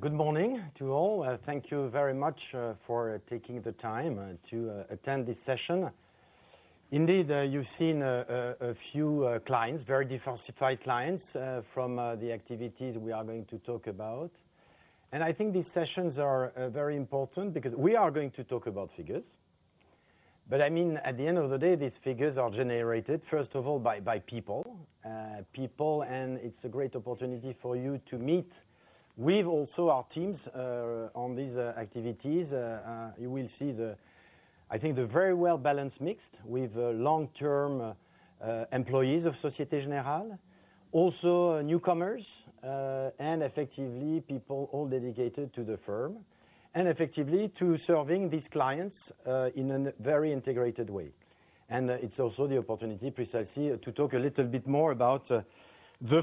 Good morning to all. Thank you very much for taking the time to attend this session. Indeed, you've seen a few clients, very diversified clients, from the activities we are going to talk about. I think these sessions are very important because we are going to talk about figures. At the end of the day, these figures are generated, first of all, by people. People, it's a great opportunity for you to meet with also our teams on these activities. You will see, I think, the very well-balanced mix with long-term employees of Société Générale, also newcomers, effectively people all dedicated to the firm, effectively to serving these clients in a very integrated way. It's also the opportunity precisely to talk a little bit more about the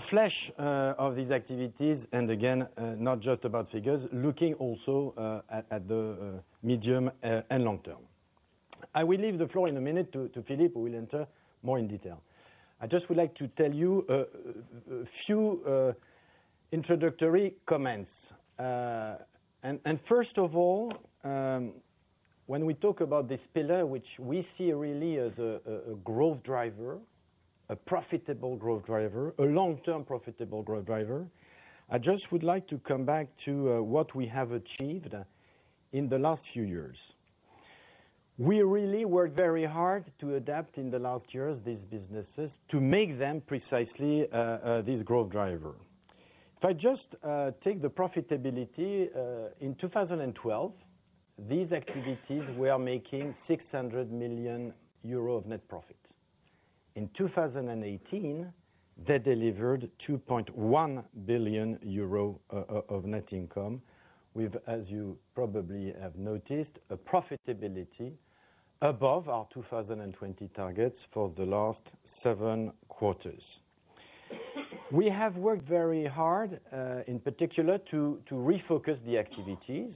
flesh of these activities, again, not just about figures, looking also at the medium and long term. I will leave the floor in a minute to Philippe, who will enter more in detail. I just would like to tell you a few introductory comments. First of all, when we talk about this pillar, which we see really as a profitable growth driver, a long-term profitable growth driver, I just would like to come back to what we have achieved in the last few years. We really worked very hard to adapt in the last years these businesses to make them precisely this growth driver. If I just take the profitability, in 2012, these activities were making 600 million euro of net profit. In 2018, they delivered 2.1 billion euro of net income with, as you probably have noticed, a profitability above our 2020 targets for the last seven quarters. We have worked very hard, in particular, to refocus the activities.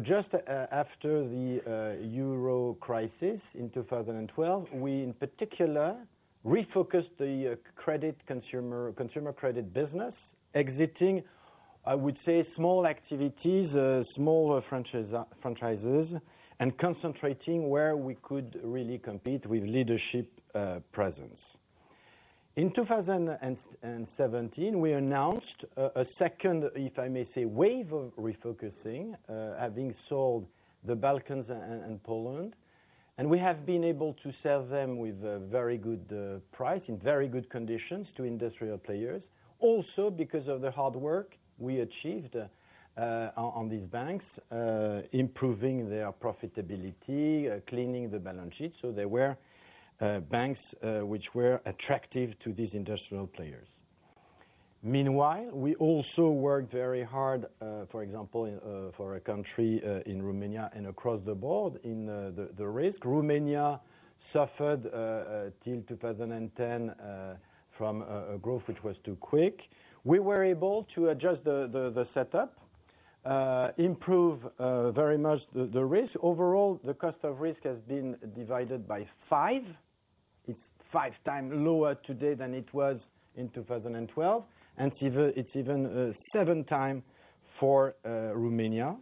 Just after the euro crisis in 2012, we, in particular, refocused the consumer credit business, exiting, I would say, small activities, smaller franchises, and concentrating where we could really compete with leadership presence. In 2017, we announced a second, if I may say, wave of refocusing, having sold the Balkans and Poland. We have been able to sell them with a very good price, in very good conditions to industrial players. Also because of the hard work we achieved on these banks, improving their profitability, cleaning the balance sheet. They were banks which were attractive to these industrial players. Meanwhile, we also worked very hard, for example, for a country in Romania and across the board in the risk. Romania suffered till 2010 from growth, which was too quick. We were able to adjust the setup, improve very much the risk. Overall, the cost of risk has been divided by five. It's five times lower today than it was in 2012, and it's even seven times for Romania.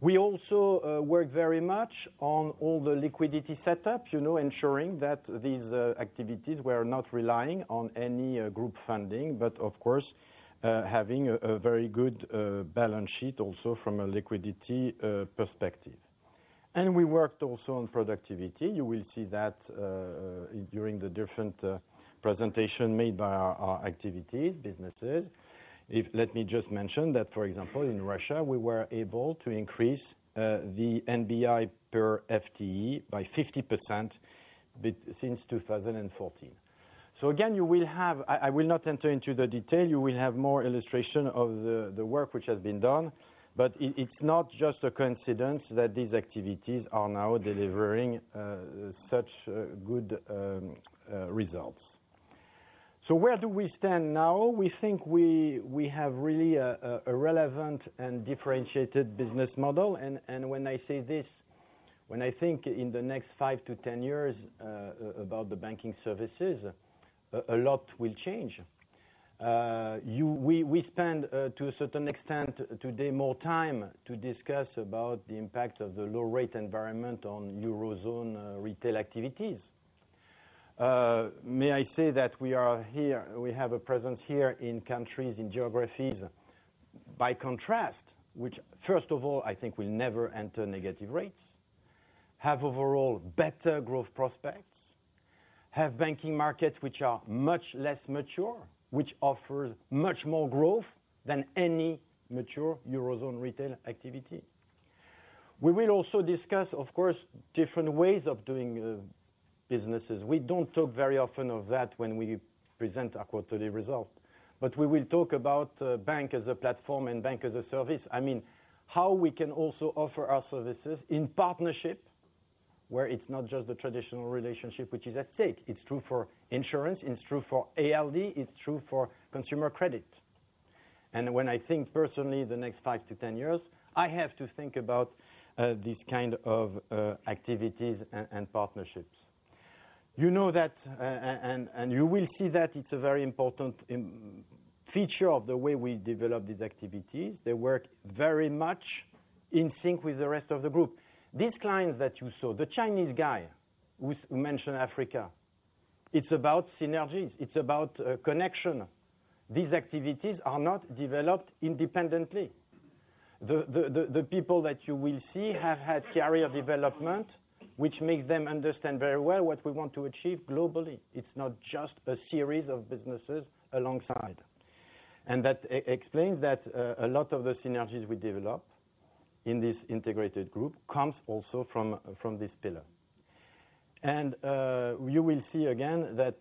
We also work very much on all the liquidity setup, ensuring that these activities were not relying on any group funding, but of course, having a very good balance sheet also from a liquidity perspective. We worked also on productivity. You will see that during the different presentation made by our activities, businesses. If let me just mention that, for example, in Russia, we were able to increase the NBI per FTE by 50% since 2014. Again, I will not enter into the detail. You will have more illustration of the work which has been done. It's not just a coincidence that these activities are now delivering such good results. Where do we stand now? We think we have really a relevant and differentiated business model, and when I say this, when I think in the next 5-10 years about the banking services, a lot will change. We spend, to a certain extent today, more time to discuss about the impact of the low-rate environment on eurozone retail activities. May I say that we have a presence here in countries, in geographies, by contrast, which, first of all, I think will never enter negative rates, have overall better growth prospects, have banking markets which are much less mature, which offers much more growth than any mature eurozone retail activity. We will also discuss, of course, different ways of doing businesses. We don't talk very often of that when we present our quarterly results. We will talk about bank-as-a-platform and Banking-as-a-Service. I mean, how we can also offer our services in partnership where it's not just the traditional relationship which is at stake. It's true for insurance, it's true for ALD, it's true for consumer credit. When I think personally the next five to 10 years, I have to think about these kind of activities and partnerships. You know that, and you will see that it's a very important feature of the way we develop these activities. They work very much in sync with the rest of the group. These clients that you saw, the Chinese guy who mentioned Africa, it's about synergies, it's about connection. These activities are not developed independently. The people that you will see have had career development, which makes them understand very well what we want to achieve globally. It's not just a series of businesses alongside. That explains that a lot of the synergies we develop in this integrated group comes also from this pillar. You will see again that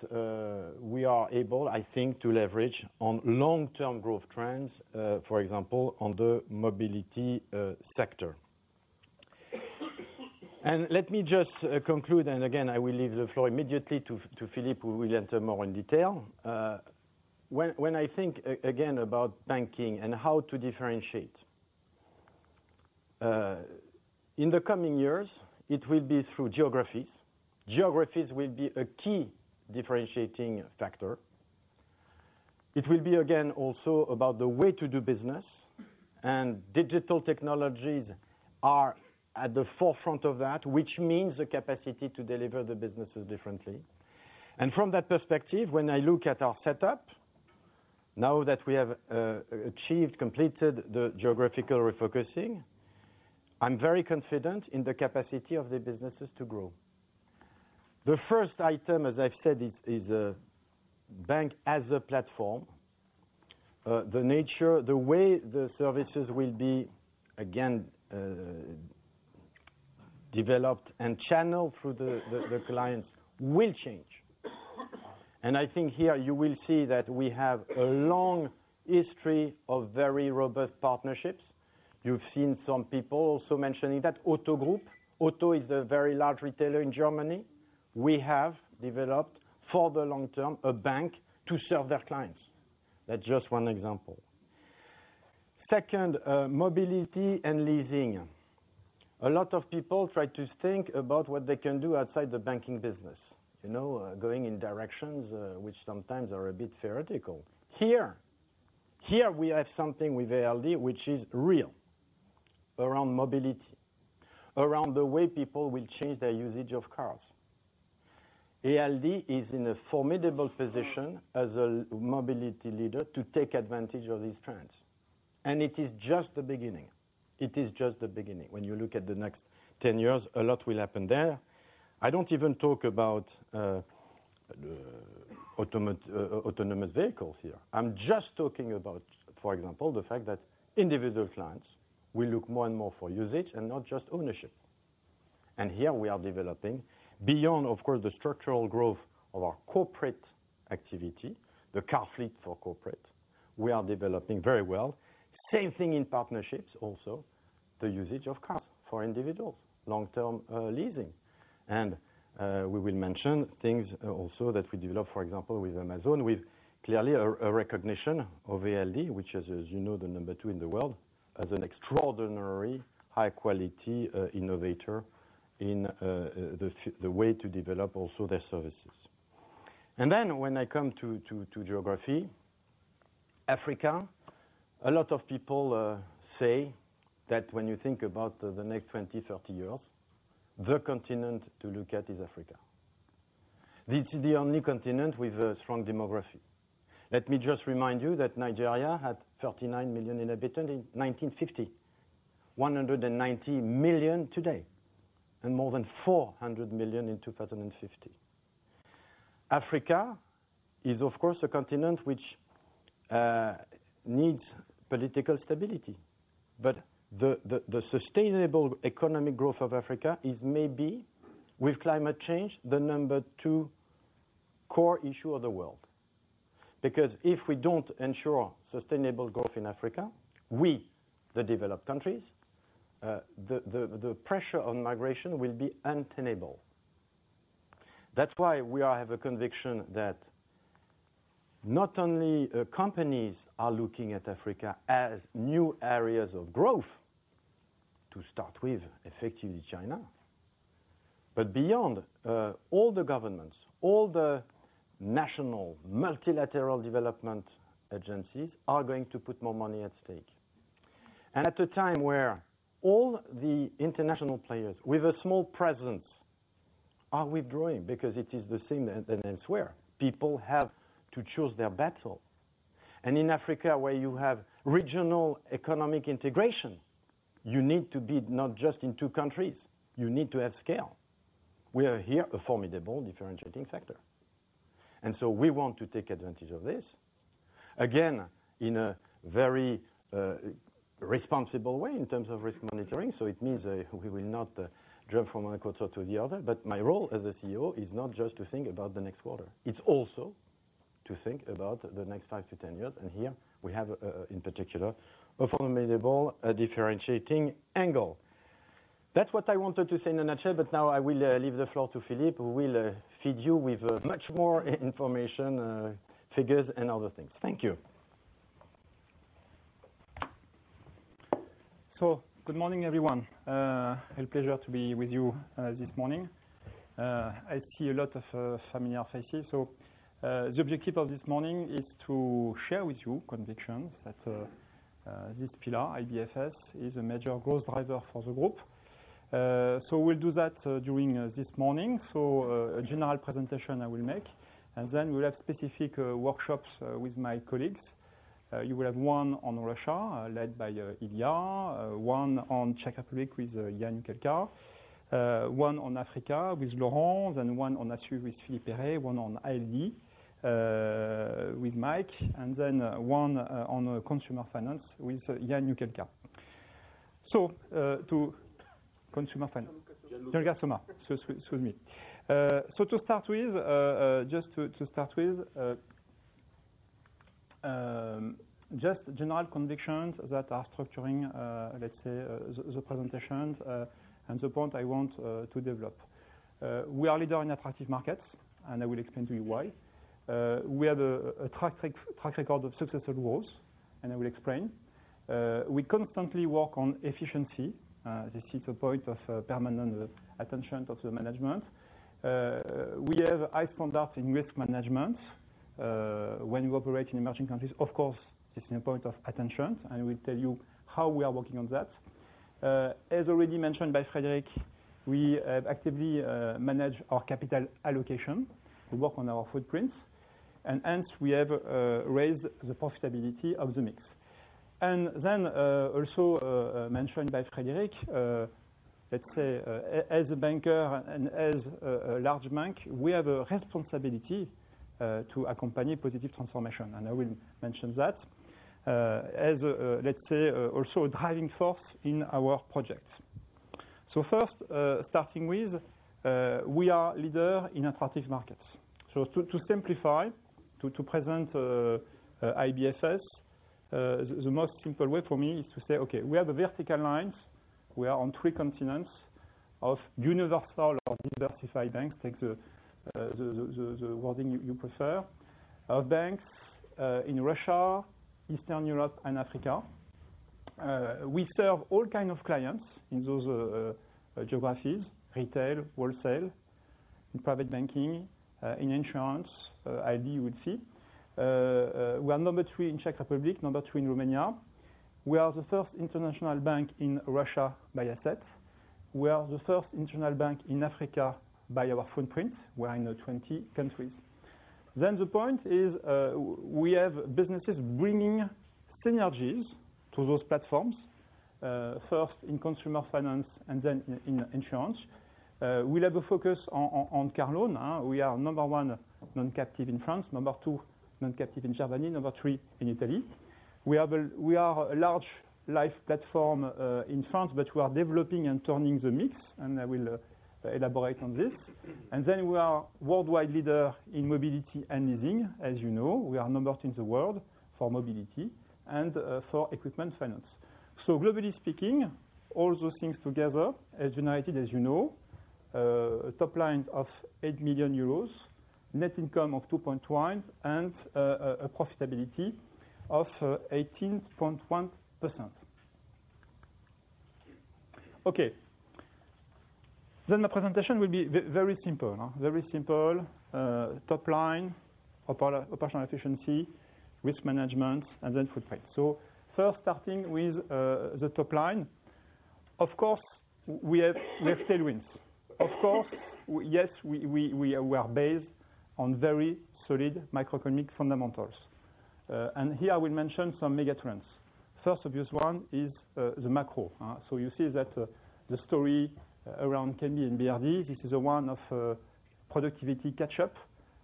we are able, I think, to leverage on long-term growth trends, for example, on the mobility sector. Let me just conclude, again, I will leave the floor immediately to Philippe, who will enter more in detail. When I think again about banking and how to differentiate, in the coming years, it will be through geographies. Geographies will be a key differentiating factor. It will be, again, also about the way to do business, and digital technologies are at the forefront of that, which means the capacity to deliver the businesses differently. From that perspective, when I look at our setup, now that we have completed the geographical refocusing, I'm very confident in the capacity of the businesses to grow. The first item, as I've said, is bank-as-a-platform. The way the services will be, again, developed and channeled through the clients will change. I think here you will see that we have a long history of very robust partnerships. You've seen some people also mentioning that Otto Group, Otto is a very large retailer in Germany. We have developed for the long term a bank to serve their clients. That's just one example. Second, mobility and leasing. A lot of people try to think about what they can do outside the banking business, going in directions which sometimes are a bit theoretical. Here, we have something with ALD which is real around mobility, around the way people will change their usage of cars. ALD is in a formidable position as a mobility leader to take advantage of these trends, and it is just the beginning. It is just the beginning. When you look at the next 10 years, a lot will happen there. I don't even talk about autonomous vehicles here. I'm just talking about, for example, the fact that individual clients will look more and more for usage and not just ownership. Here we are developing beyond, of course, the structural growth of our corporate activity, the car fleet for corporate. We are developing very well. Same thing in partnerships also, the usage of cars for individuals, long-term leasing. We will mention things also that we develop, for example, with Amazon, with clearly a recognition of ALD, which is, as you know, the number two in the world, as an extraordinary high-quality innovator in the way to develop also their services. When I come to geography, Africa, a lot of people say that when you think about the next 20, 30 years, the continent to look at is Africa. This is the only continent with a strong demography. Let me just remind you that Nigeria had 39 million inhabitants in 1950, 190 million today, and more than 400 million in 2050. Africa is, of course, a continent which needs political stability. The sustainable economic growth of Africa is maybe, with climate change, the number two core issue of the world. If we don't ensure sustainable growth in Africa, we, the developed countries, the pressure on migration will be untenable. That's why we have a conviction that not only companies are looking at Africa as new areas of growth to start with, effectively China. Beyond, all the governments, all the national multilateral development agencies are going to put more money at stake. At a time where all the international players with a small presence are withdrawing because it is the same as elsewhere. People have to choose their battle. In Africa, where you have regional economic integration, you need to be not just in two countries. You need to have scale. We are here a formidable differentiating factor. We want to take advantage of this, again, in a very responsible way in terms of risk monitoring. It means we will not jump from one quarter to the other, but my role as a CEO is not just to think about the next quarter. It's also to think about the next five to 10 years. Here we have, in particular, a formidable differentiating angle. That's what I wanted to say in a nutshell. Now I will leave the floor to Philippe, who will feed you with much more information, figures, and other things. Thank you. Good morning, everyone. A pleasure to be with you this morning. I see a lot of familiar faces. The objective of this morning is to share with you convictions that this pillar, IBFS, is a major growth driver for the group. We'll do that during this morning. A general presentation I will make, and then we'll have specific workshops with my colleagues. You will have one on Russia, led by Ilya, one on Czech Republic with Jan Juchelka, one on Africa with Laurent, then one on Assur with Philippe Perret, one on ALD with Mike, and then one on consumer finance with Jan Juchelka. To consumer finance- Jan Lukaszoma. Jan Lukaszoma. Excuse me. Just to start with, just general convictions that are structuring, let's say, the presentations, the point I want to develop. We are a leader in attractive markets, I will explain to you why. We have a track record of successful growth, I will explain. We constantly work on efficiency. This is a point of permanent attention of the management. We have high standards in risk management. When you operate in emerging countries, of course, this is a point of attention, I will tell you how we are working on that. As already mentioned by Frédéric, we actively manage our capital allocation. We work on our footprints, hence we have raised the profitability of the mix. Also mentioned by Frédéric, let's say as a banker and as a large bank, we have a responsibility to accompany positive transformation, and I will mention that as, let's say, also a driving force in our project. First, starting with, we are leader in attractive markets. To simplify, to present IBFS, the most simple way for me is to say, okay, we have the vertical lines. We are on three continents of universal or diversified banks. Take the wording you prefer. We have banks in Russia, Eastern Europe, and Africa. We serve all kind of clients in those geographies, retail, wholesale, in private banking, in insurance. We will see. We are number 3 in Czech Republic, number 2 in Romania. We are the first international bank in Russia by assets. We are the first international bank in Africa by our footprint. We are in 20 countries. The point is, we have businesses bringing synergies to those platforms, first in consumer finance and then in insurance. We have a focus on car loan. We are number one non-captive in France, number two non-captive in Germany, number three in Italy. We are a large life platform in France, but we are developing and turning the mix, and I will elaborate on this. We are worldwide leader in mobility and leasing. As you know, we are number two in the world for mobility and for equipment finance. Globally speaking, all those things together as united, as you know, top line of 8 million euros, net income of 2.1, and a profitability of 18.1%. Okay. The presentation will be very simple. Top line, operational efficiency, risk management, and then footprint. First starting with the top line, of course, we have tailwinds. Of course, yes, we are based on very solid macroeconomic fundamentals. Here I will mention some mega trends. First obvious one is the macro. You see that the story around KB and BRD, this is one of productivity catch-up,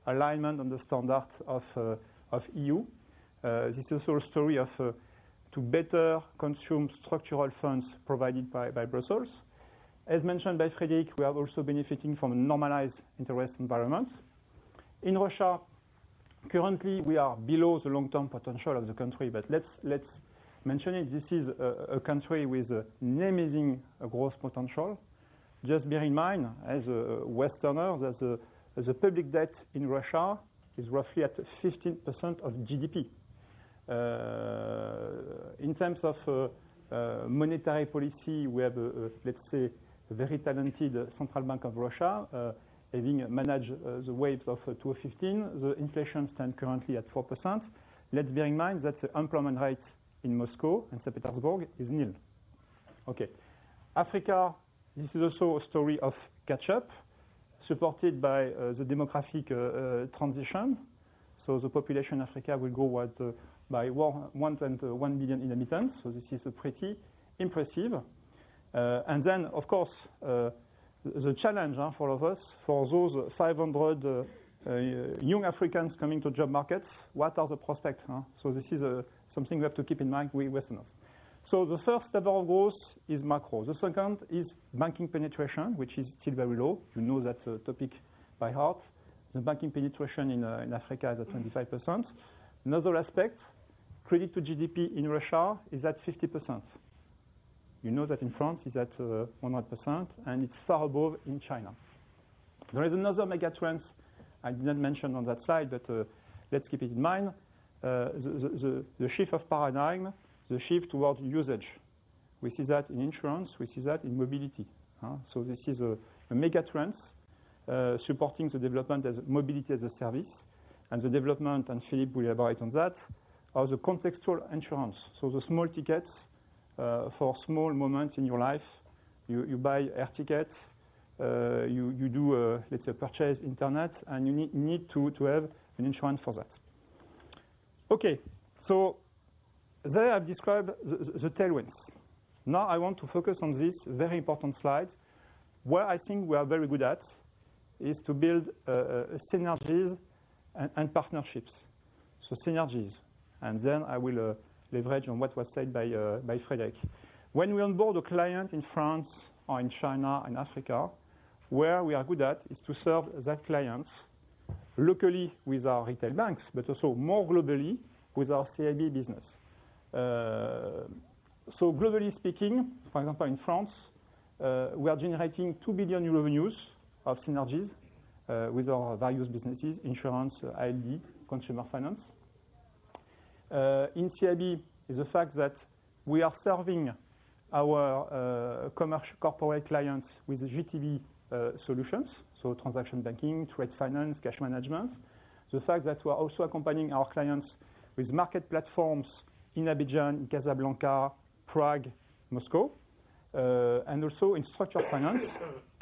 alignment on the standards of EU. This is also a story of to better consume structural funds provided by Brussels. As mentioned by Frédéric, we are also benefiting from a normalized interest environment. In Russia, currently, we are below the long-term potential of the country, but let's mention it. This is a country with amazing growth potential. Just bear in mind, as a Westerner, that the public debt in Russia is roughly at 15% of GDP. In terms of monetary policy, we have, let's say, very talented Central Bank of Russia, having managed the waves of 2015. The inflation stands currently at 4%. Let's bear in mind that the unemployment rate in Moscow and Saint Petersburg is nil. Africa, this is also a story of catch-up, supported by the demographic transition. The population in Africa will grow by 1.1 million in a midterm. This is pretty impressive. Of course, the challenge for all of us, for those 500 young Africans coming to job markets, what are the prospects? This is something we have to keep in mind, we Westerners. The 1st level of growth is macro. The second is banking penetration, which is still very low. You know that topic by heart. The banking penetration in Africa is at 25%. Another aspect, credit to GDP in Russia is at 50%. You know that in France, it's at 100%, and it's far above in China. There is another megatrend I didn't mention on that slide, but let's keep it in mind. The shift of paradigm, the shift towards usage. We see that in insurance, we see that in mobility. This is a megatrend supporting the development of mobility as a service, and the development, and Philippe will elaborate on that, of the contextual insurance. The small tickets for small moments in your life. You buy air tickets, you do, let's say, purchase internet, and you need to have an insurance for that. Okay. There I've described the tailwinds. Now I want to focus on this very important slide. Where I think we are very good at is to build synergies and partnerships. Synergies, and then I will leverage on what was said by Frédéric. When we onboard a client in France or in China, in Africa, where we are good at is to serve that client locally with our retail banks, but also more globally with our CIB business. Globally speaking, for example, in France, we are generating 2 billion revenues of synergies with our various businesses, insurance, IBD, consumer finance. In CIB is the fact that we are serving our corporate clients with GTB solutions, transaction banking, trade finance, cash management. The fact that we're also accompanying our clients with market platforms in Abidjan, Casablanca, Prague, Moscow, and also in structured finance.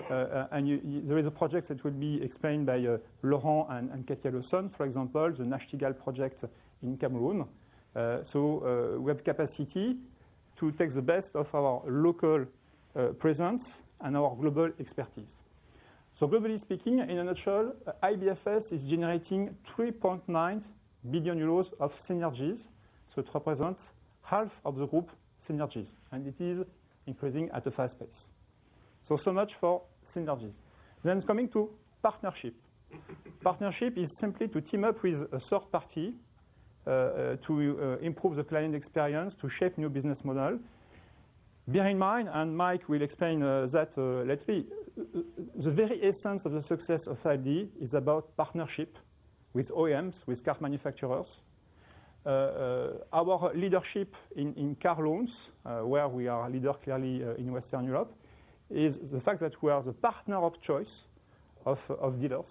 There is a project that will be explained by Laurent and Katia Laussin, for example, the Nachtigal project in Cameroon. We have capacity to take the best of our local presence and our global expertise. Globally speaking, in a nutshell, IBFS is generating 3.9 billion euros of synergies. It represents half of the group synergies, and it is increasing at a fast pace. Much for synergies. Coming to partnership. Partnership is simply to team up with a third party, to improve the client experience, to shape new business models. Behind mine, and Mike will explain that, let's see. The very essence of the success of CIB is about partnership with OEMs, with car manufacturers. Our leadership in car loans, where we are a leader clearly in Western Europe, is the fact that we are the partner of choice of dealers.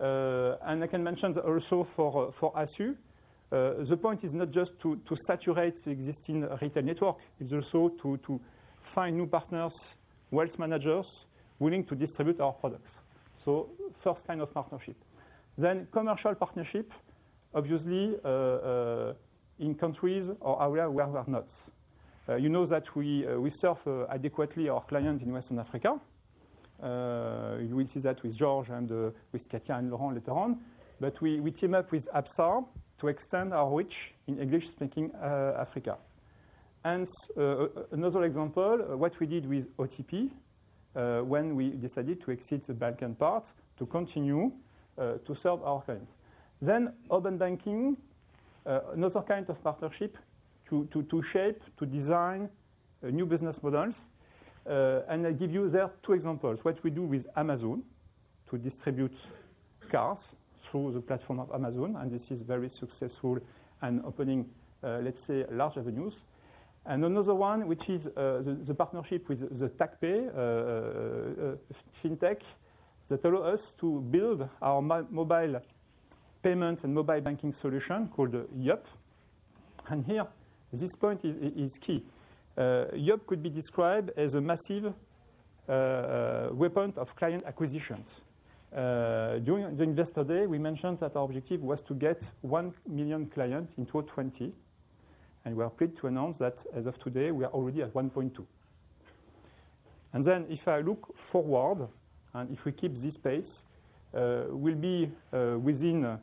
I can mention also for Assur, the point is not just to saturate the existing retail network. It's also to find new partners, wealth managers, willing to distribute our products. First kind of partnership. Commercial partnership, obviously, in countries or area where we are not. You know that we serve adequately our clients in Western Africa. You will see that with Georges and with Katia and Laurent later on. We team up with Absa to extend our reach in English-speaking Africa. Another example, what we did with OTP, when we decided to exit the Balkan part to continue to serve our clients. Open banking, another kind of partnership to shape, to design new business models. I give you there two examples. What we do with Amazon to distribute cars through the platform of Amazon, and this is very successful and opening, let's say, large avenues. Another one, which is the partnership with the TagPay fintech that allow us to build our mobile payment and mobile banking solution called YUP. Here, this point is key. YUP could be described as a massive weapon of client acquisitions. During yesterday, we mentioned that our objective was to get 1 million clients in 2020, and we are pleased to announce that as of today, we are already at 1.2. If I look forward, and if we keep this pace, we'll be within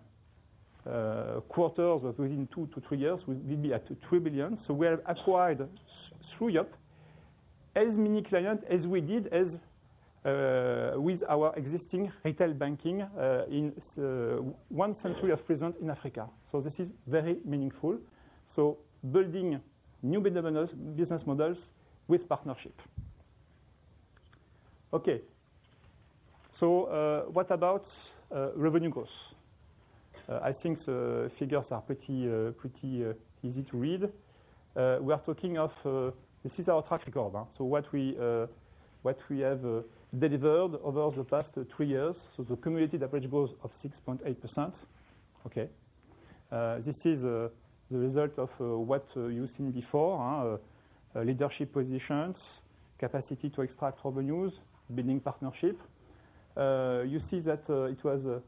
quarters or within two to three years, we will be at 3 billion. We have acquired through YUP as many clients as we did with our existing retail banking in one country of presence in Africa. This is very meaningful. Building new business models with partnership. Okay. What about revenue growth? I think the figures are pretty easy to read. We are talking of, this is our track record, so what we have delivered over the past three years. The cumulative average growth of 6.8%. Okay. This is the result of what you've seen before. Leadership positions, capacity to extract revenues, building partnership. You see that it was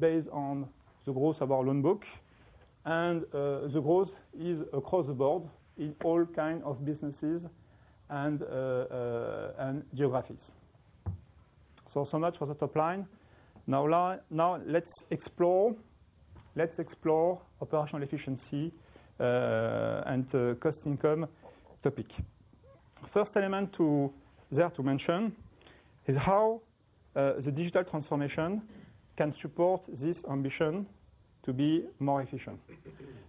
based on the growth of our loan book, and the growth is across the board in all kind of businesses and geographies. So much for the top line. Now let's explore operational efficiency, and cost income topic. First element there to mention is how the digital transformation can support this ambition to be more efficient.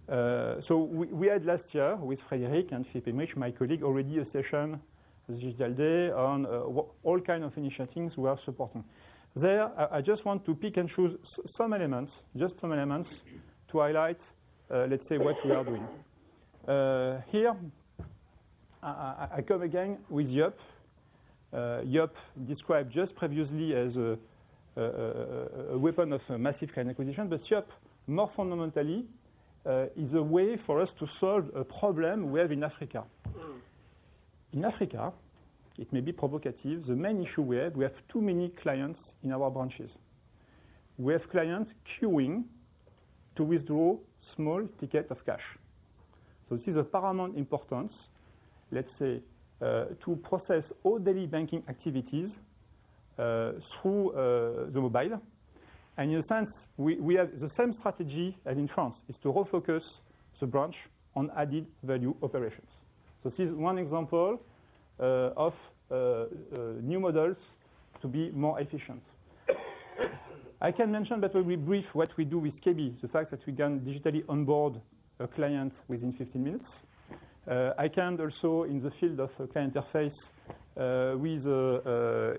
We had last year with Frédéric and Philippe Mich, my colleague, already a session this day on all kinds of initial things we are supporting. There, I just want to pick and choose some elements, just some elements to highlight, let's say, what we are doing. Here, I come again with YUP. YUP described just previously as a weapon of a massive client acquisition. YUP, more fundamentally, is a way for us to solve a problem we have in Africa. In Africa, it may be provocative, the main issue we have, we have too many clients in our branches. We have clients queuing to withdraw small ticket of cash. This is of paramount importance, let's say, to process all daily banking activities through the mobile. In a sense, we have the same strategy as in France, is to refocus the branch on added-value operations. This is one example of new models to be more efficient. I can mention that when we brief what we do with KB, the fact that we can digitally onboard a client within 15 minutes. I can also, in the field of client interface with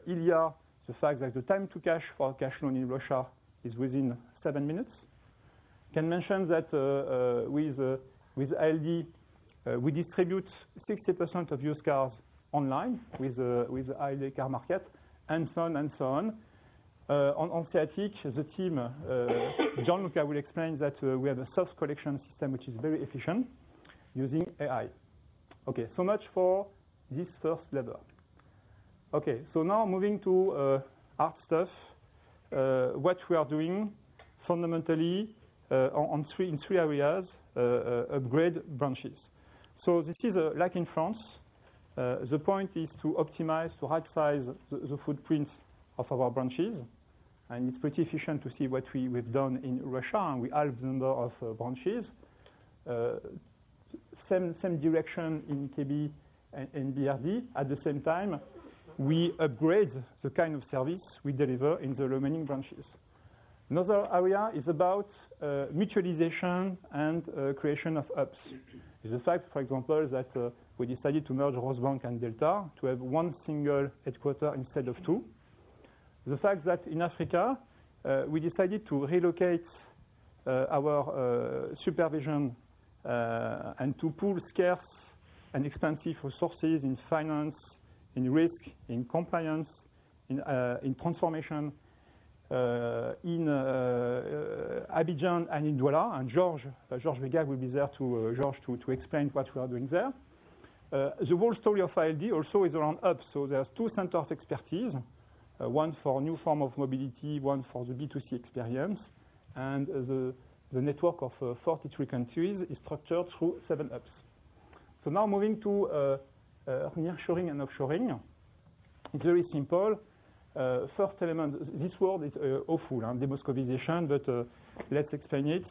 Ilya, the fact that the time to cash for cash loan in Russia is within seven minutes. Can mention that with ALD, we distribute 60% of used cars online with the ALD Carmarket, and so on. On static, the team, Jean-Luc will explain that we have a self-collection system which is very efficient using AI. Okay, much for this first level. Okay, moving to app stuff, what we are doing fundamentally in three areas, upgrade branches. This is like in France, the point is to optimize, to right-size the footprint of our branches, and it's pretty efficient to see what we have done in Russia. We halved the number of branches. Same direction in KB and BRD. At the same time, we upgrade the kind of service we deliver in the remaining branches. Another area is about mutualization and creation of apps. The fact, for example, that we decided to merge Rosbank and Delta to have one single headquarter instead of two. The fact that in Africa, we decided to relocate our supervision, and to pool scarce and expensive resources in finance, in risk, in compliance, in transformation, in Abidjan and in Douala. Georges Wega will be there to explain what we are doing there. The whole story of ALD also is around apps. There are two centers of expertise, one for new form of mobility, one for the B2C experience. The network of 43 countries is structured through seven apps. Now moving to near-shoring and offshoring. It's very simple. First element, this word is awful, de-moskovization, but let's explain it.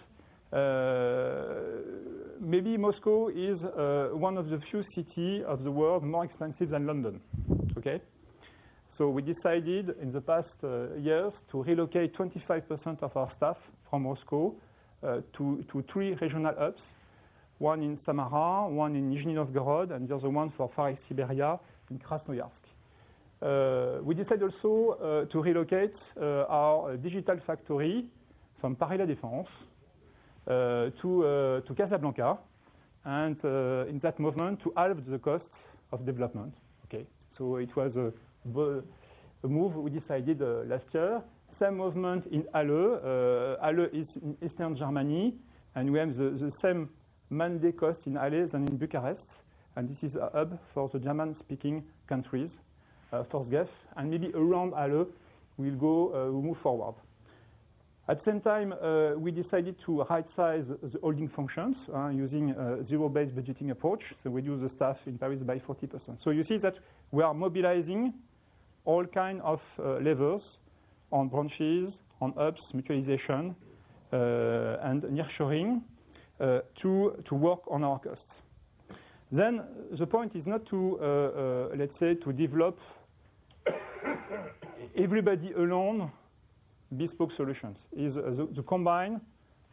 Maybe Moscow is one of the few city of the world more expensive than London. Okay? We decided in the past years to relocate 25% of our staff from Moscow, to three regional hubs, one in Samara, one in Nizhny Novgorod, and the other one for Far East Siberia in Krasnoyarsk. We decided also to relocate our digital factory from Paris La Défense to Casablanca, and in that movement, to halve the cost of development. Okay. It was a move we decided last year. Same movement in Halle. Halle is in eastern Germany, and we have the same man-day cost in Halle than in Bucharest, and this is a hub for the German-speaking countries for GEF. Maybe around Halle, we'll move forward. At the same time, we decided to rightsize the holding functions using a zero-based budgeting approach. We reduced the staff in Paris by 40%. You see that we are mobilizing all kind of levels on branches, on apps, mutualization, and nearshoring, to work on our costs. The point is not to, let's say, to develop everybody alone bespoke solutions. It is to combine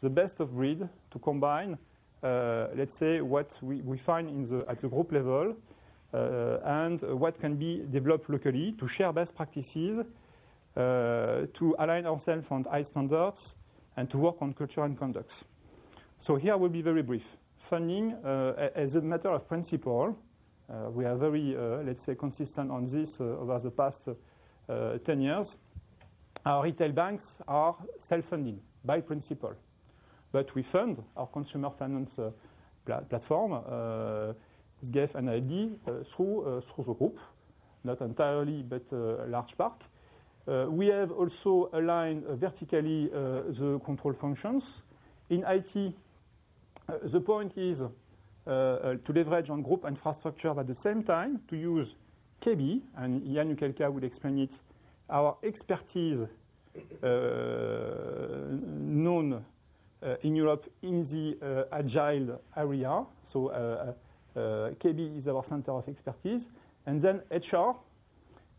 the best of breed, to combine, let's say, what we find at the group level, and what can be developed locally to share best practices, to align ourselves on high standards, and to work on culture and conducts. Here I will be very brief. Funding, as a matter of principle, we are very, let's say, consistent on this over the past 10 years. Our retail banks are self-funding by principle. We fund our consumer finance platform, GEF and ID, through the group, not entirely, but a large part. We have also aligned vertically the control functions. In IT, the point is to leverage on group infrastructure, but at the same time to use KB, and Yannick Helka will explain it, our expertise, known in Europe in the Agile area. KB is our center of expertise. Then HR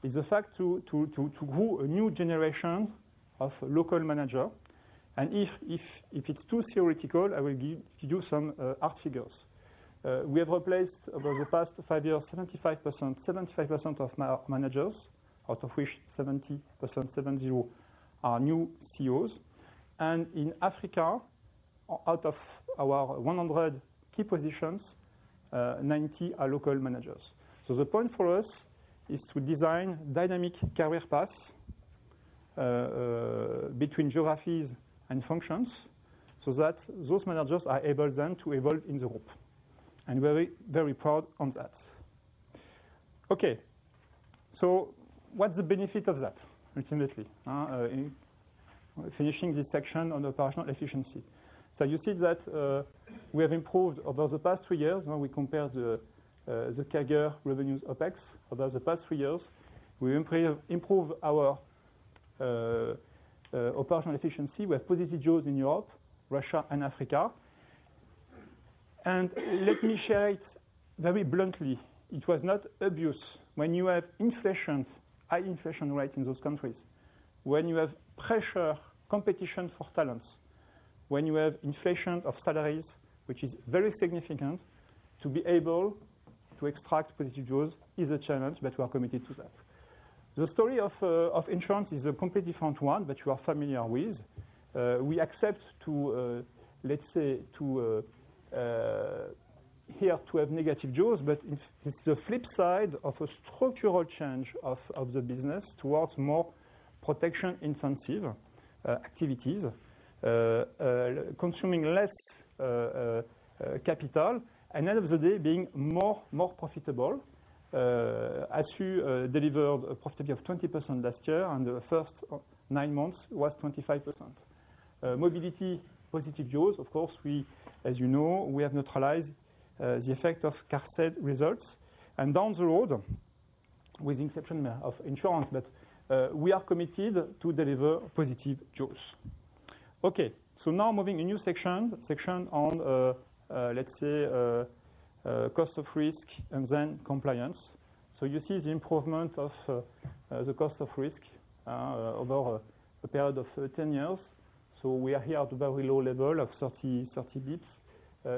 is the fact to grow a new generation of local manager. If it's too theoretical, I will give to you some hard figures. We have replaced, over the past five years, 75% of managers, out of which 70% are new CEOs. In Africa, out of our 100 key positions, 90 are local managers. The point for us is to design dynamic career paths between geographies and functions so that those managers are able then to evolve in the group. Very proud on that. Okay. What's the benefit of that, ultimately? In finishing this section on operational efficiency. You see that we have improved over the past 3 years when we compare the CAGR revenues, OpEx. Over the past 3 years, we improve our operational efficiency with positive jaws in Europe, Russia, and Africa. Let me share it very bluntly. It was not a breeze. When you have high inflation rate in those countries, when you have pressure, competition for talents, when you have inflation of salaries, which is very significant, to be able to extract positive jaws is a challenge, but we are committed to that. The story of insurance is a completely different one that you are familiar with. We accept to, let's say, here to have negative jaws, but it's the flip side of a structural change of the business towards more protection incentive activities, consuming less capital, and at the end of the day, being more profitable. Atchu delivered a profit of 20% last year, and the first nine months was 25%. Mobility positive jaws, of course, as you know, we have neutralized the effect of Carted results. Down the road, with inception of insurance, but we are committed to deliver positive jaws. Now moving a new section on, let's say, cost of risk and then compliance. You see the improvement of the cost of risk over a period of 10 years. We are here at a very low level of 30 basis points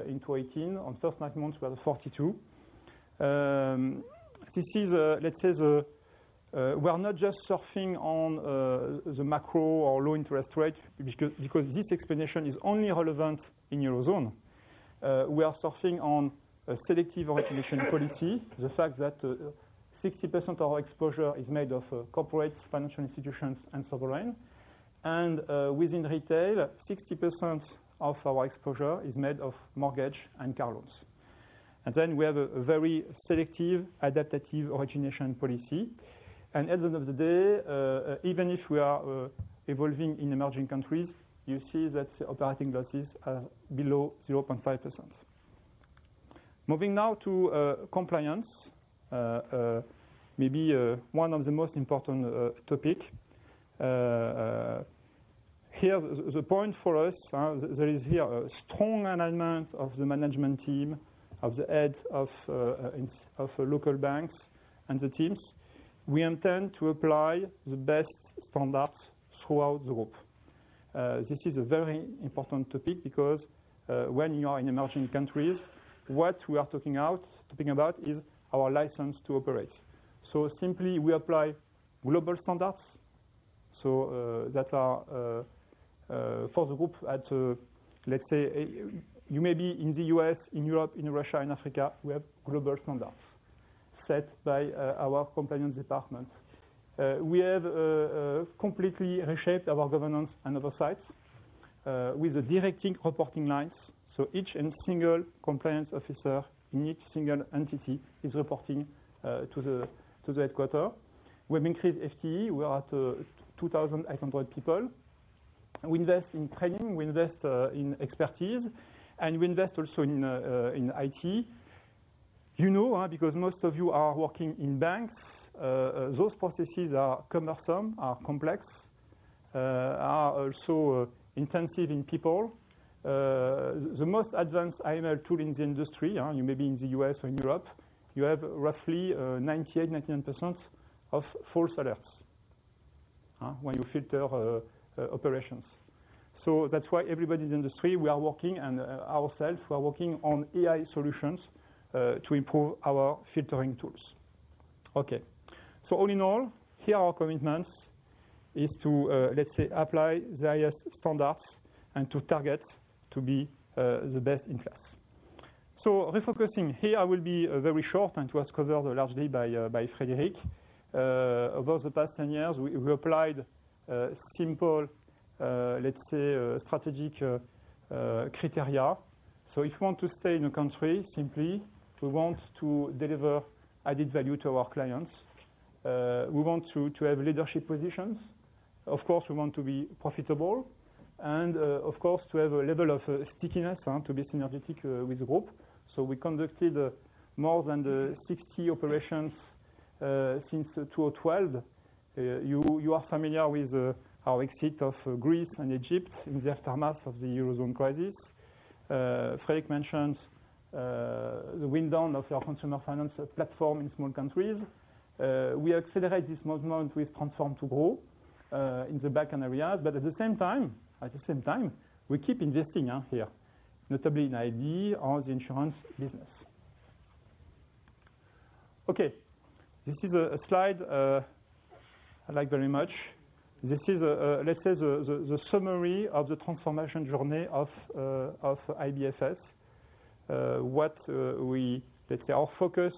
in 2018. On first nine months, we are at 42. We are not just surfing on the macro or low interest rates because this explanation is only relevant in Eurozone. We are surfing on a selective origination policy. The fact that 60% of our exposure is made of corporates, financial institutions, and sovereign. Within retail, 60% of our exposure is made of mortgage and car loans. We have a very selective adaptive origination policy. At the end of the day, even if we are evolving in emerging countries, you see that operating losses are below 0.5%. Moving now to compliance, maybe one of the most important topic. Here, the point for us, there is here a strong alignment of the management team, of the heads of local banks, and the teams. We intend to apply the best standards throughout the group. This is a very important topic because when you are in emerging countries, what we are talking about is our license to operate. Simply, we apply global standards. That are for the group at, let's say, you may be in the U.S., in Europe, in Russia, in Africa, we have global standards set by our compliance department. We have completely reshaped our governance and oversight with the direct reporting lines. Each and single compliance officer in each single entity is reporting to the headquarter. We have increased FTE. We are at 2,800 people. We invest in training, we invest in expertise, and we invest also in IT. You know because most of you are working in banks, those processes are cumbersome, are complex, are also intensive in people. The most advanced AML tool in the industry, you may be in the U.S. or in Europe, you have roughly 98%, 99% of false alerts when you filter operations. That's why everybody in the industry, we are working, and ourselves, we are working on AI solutions to improve our filtering tools. Okay. All in all, here our commitment is to, let's say, apply the highest standards and to target to be the best in class. Refocusing here, I will be very short, and it was covered largely by Frédéric. Over the past 10 years, we applied simple, let's say, strategic criteria. If you want to stay in a country, simply, we want to deliver added value to our clients. We want to have leadership positions. Of course, we want to be profitable, and of course, to have a level of stickiness to be synergistic with the group. We conducted more than 60 operations since 2012. You are familiar with our exit of Greece and Egypt in the aftermath of the Eurozone crisis. Frédéric mentioned the wind down of our consumer finance platform in small countries. We accelerate this movement with Transform to Grow in the back-end areas. At the same time, we keep investing out here, notably in ID or the insurance business. Okay. This is a slide I like very much. This is, let's say, the summary of the transformation journey of IBFS. Our focus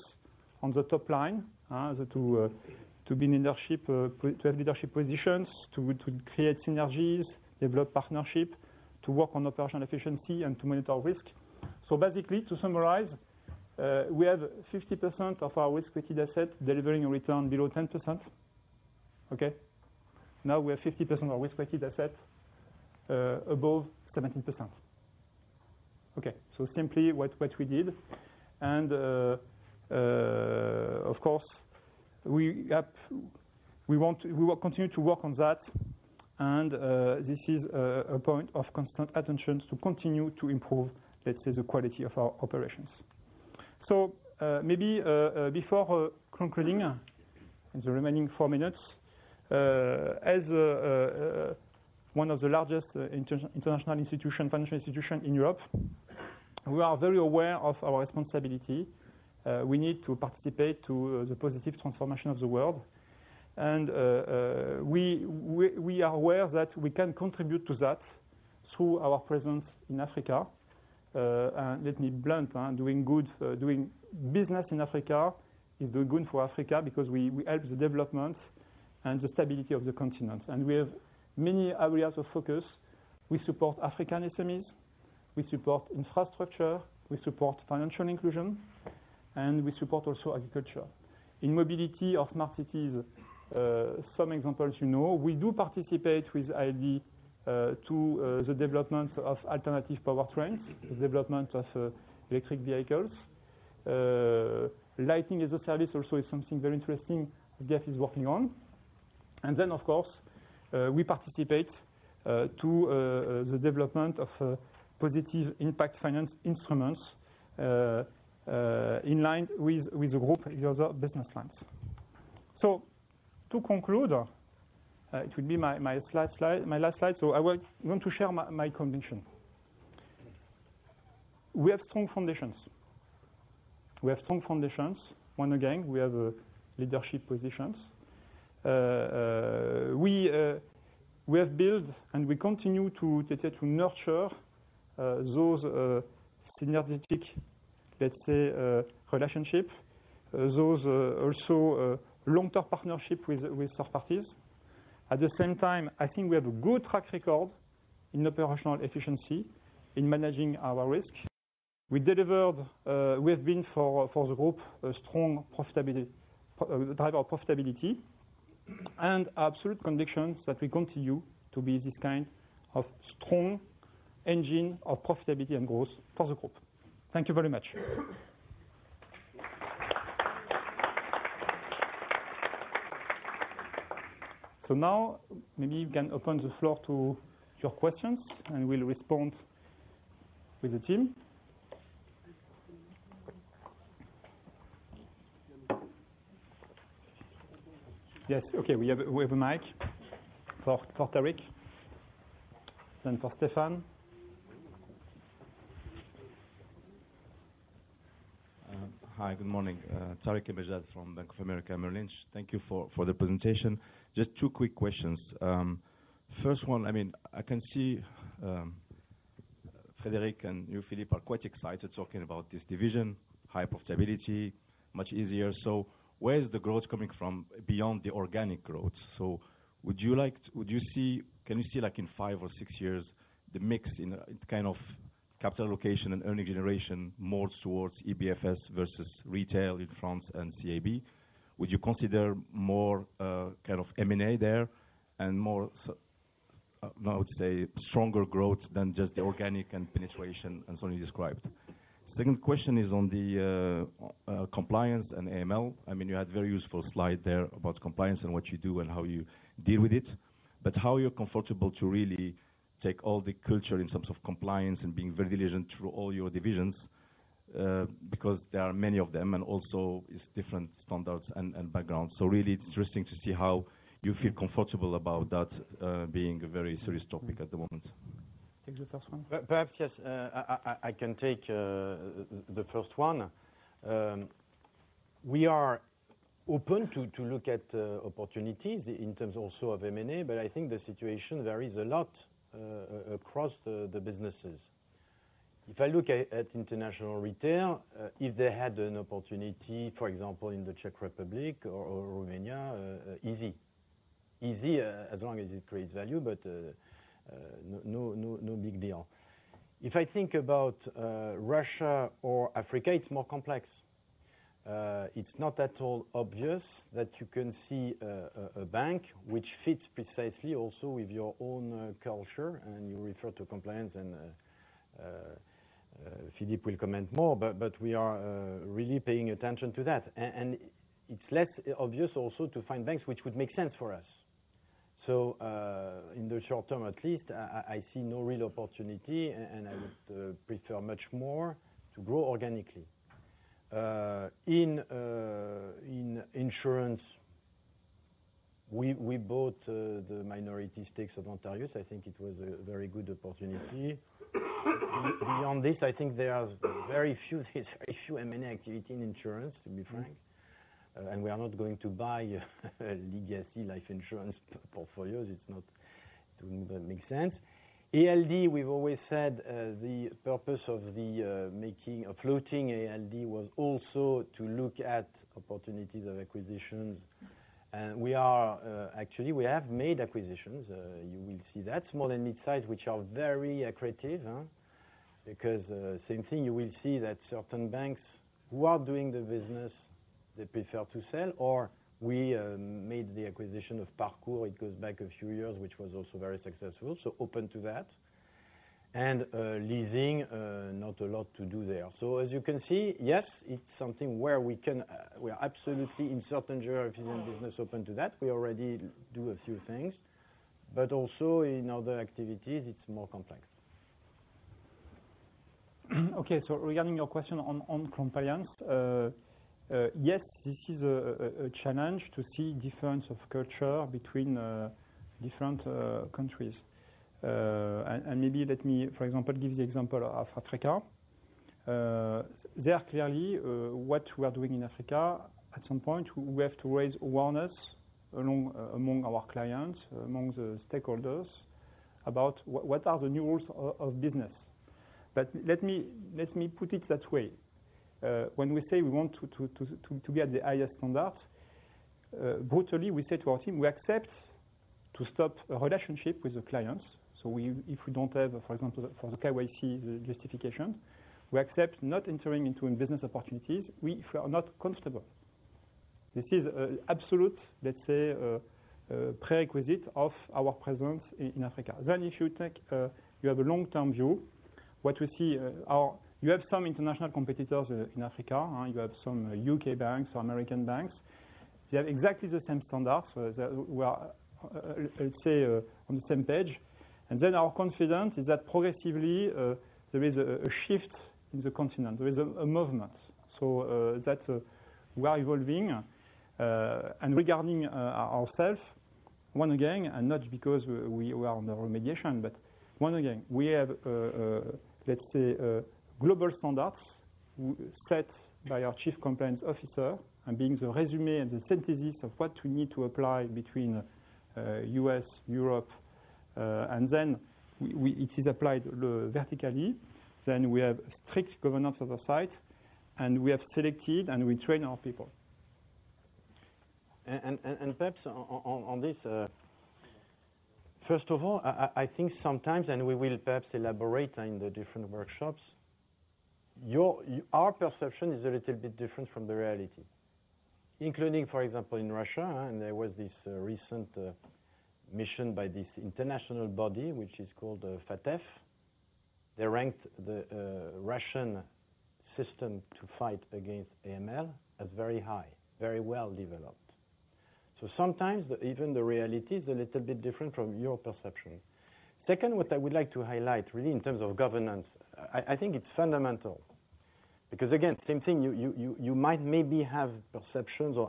on the top line, to have leadership positions, to create synergies, develop partnership, to work on operational efficiency, and to manage our risk. Basically, to summarize, we have 50% of our risk-weighted assets delivering a return below 10%. Okay. Now we have 50% of our risk-weighted assets above 17%. Okay. Simply what we did, and of course, we will continue to work on that, and this is a point of constant attention to continue to improve, let's say, the quality of our operations. Maybe before concluding in the remaining four minutes, as one of the largest international financial institution in Europe, we are very aware of our responsibility. We need to participate to the positive transformation of the world. We are aware that we can contribute to that through our presence in Africa. Let me be blunt, doing business in Africa is doing good for Africa because we help the development and the stability of the continent. We have many areas of focus. We support African SMEs, we support infrastructure, we support financial inclusion, and we support also agriculture. In mobility of smart cities, some examples you know, we do participate with ID to the development of alternative powertrains, the development of electric vehicles. Lighting as a service also is something very interesting GEF is working on. Of course, we participate to the development of positive impact finance instruments in line with the group's other business lines. To conclude, it will be my last slide. I want to share my conviction. We have strong foundations. Once again, we have leadership positions. We have built, and we continue to nurture those synergistic, let's say, relationship. Those also long-term partnership with third parties. At the same time, I think we have a good track record in operational efficiency, in managing our risk. We have been, for the group, a strong driver of profitability, and absolute conviction that we continue to be this kind of strong engine of profitability and growth for the group. Thank you very much. Now maybe we can open the floor to your questions, and we'll respond with the team. Yes. Okay. We have a mic for Tariq, then for Stefan. Hi, good morning. Tariq Kebbaj from Bank of America Merrill Lynch. Thank you for the presentation. Just two quick questions. First one, I can see Frédéric and you, Philippe, are quite excited talking about this division, high profitability, much easier. Where is the growth coming from beyond the organic growth? Can you see, like in five or six years, the mix in capital allocation and earning generation more towards IBFS versus retail in France and CIB? Would you consider more M&A there and more, how to say, stronger growth than just the organic and penetration as Philippe described? Second question is on the compliance and AML. You had a very useful slide there about compliance and what you do and how you deal with it, but how you're comfortable to really take all the culture in terms of compliance and being very diligent through all your divisions, because there are many of them, and also it's different standards and backgrounds. Really interesting to see how you feel comfortable about that being a very serious topic at the moment. Take the first one? Perhaps, yes. I can take the first one. We are open to look at opportunities in terms also of M&A. I think the situation varies a lot across the businesses. If I look at international retail, if they had an opportunity, for example, in the Czech Republic or Romania, easy. Easy as long as it creates value, no big deal. If I think about Russia or Africa, it's more complex. It's not at all obvious that you can see a bank which fits precisely also with your own culture. You refer to compliance. Philippe will comment more. We are really paying attention to that. It's less obvious also to find banks which would make sense for us. In the short term at least, I see no real opportunity. I would prefer much more to grow organically. In insurance, we bought the minority stakes of Antarius. I think it was a very good opportunity. Beyond this, I think there are very few M&A activity in insurance, to be frank, and we are not going to buy legacy life insurance portfolios. It doesn't make sense. ALD, we've always said the purpose of floating ALD was also to look at opportunities of acquisitions, and actually, we have made acquisitions. You will see that small and mid-size, which are very accretive, because same thing, you will see that certain banks who are doing the business, they prefer to sell, or we made the acquisition of Parcours, it goes back a few years, which was also very successful, open to that. Leasing, not a lot to do there. As you can see, yes, it's something where we are absolutely, in certain geographies and business open to that. We already do a few things. Also, in other activities, it's more complex. Okay, regarding your question on compliance, yes, this is a challenge to see difference of culture between different countries. Maybe let me, for example, give the example of Africa. There, clearly, what we are doing in Africa, at some point, we have to raise awareness among our clients, among the stakeholders about what are the new rules of business. Let me put it that way. When we say we want to get the highest conduct, brutally, we say to our team, we accept to stop a relationship with the clients. If we don't have, for example, for the KYC justification, we accept not entering into business opportunities if we are not comfortable. This is absolute, let's say, prerequisite of our presence in Africa. If you take, you have a long-term view, what we see are you have some international competitors in Africa. You have some U.K. banks or American banks. They have exactly the same standards. We are, let's say, on the same page, and then our confidence is that progressively, there is a shift in the continent. There is a movement. We are evolving, and regarding ourselves, once again, and not because we are on the remediation, but once again, we have, let's say, global standards set by our chief compliance officer and being the resume and the synthesis of what we need to apply between U.S., Europe, and then it is applied vertically. We have strict governance of the site, and we have selected, and we train our people. Perhaps on this, first of all, I think sometimes, and we will perhaps elaborate in the different workshops, our perception is a little bit different from the reality, including, for example, in Russia, there was this recent mission by this international body, which is called the FATF. They ranked the Russian system to fight against AML as very high, very well developed. Sometimes even the reality is a little bit different from your perception. Second, what I would like to highlight, really in terms of governance, I think it's fundamental because again, same thing, you might maybe have perceptions or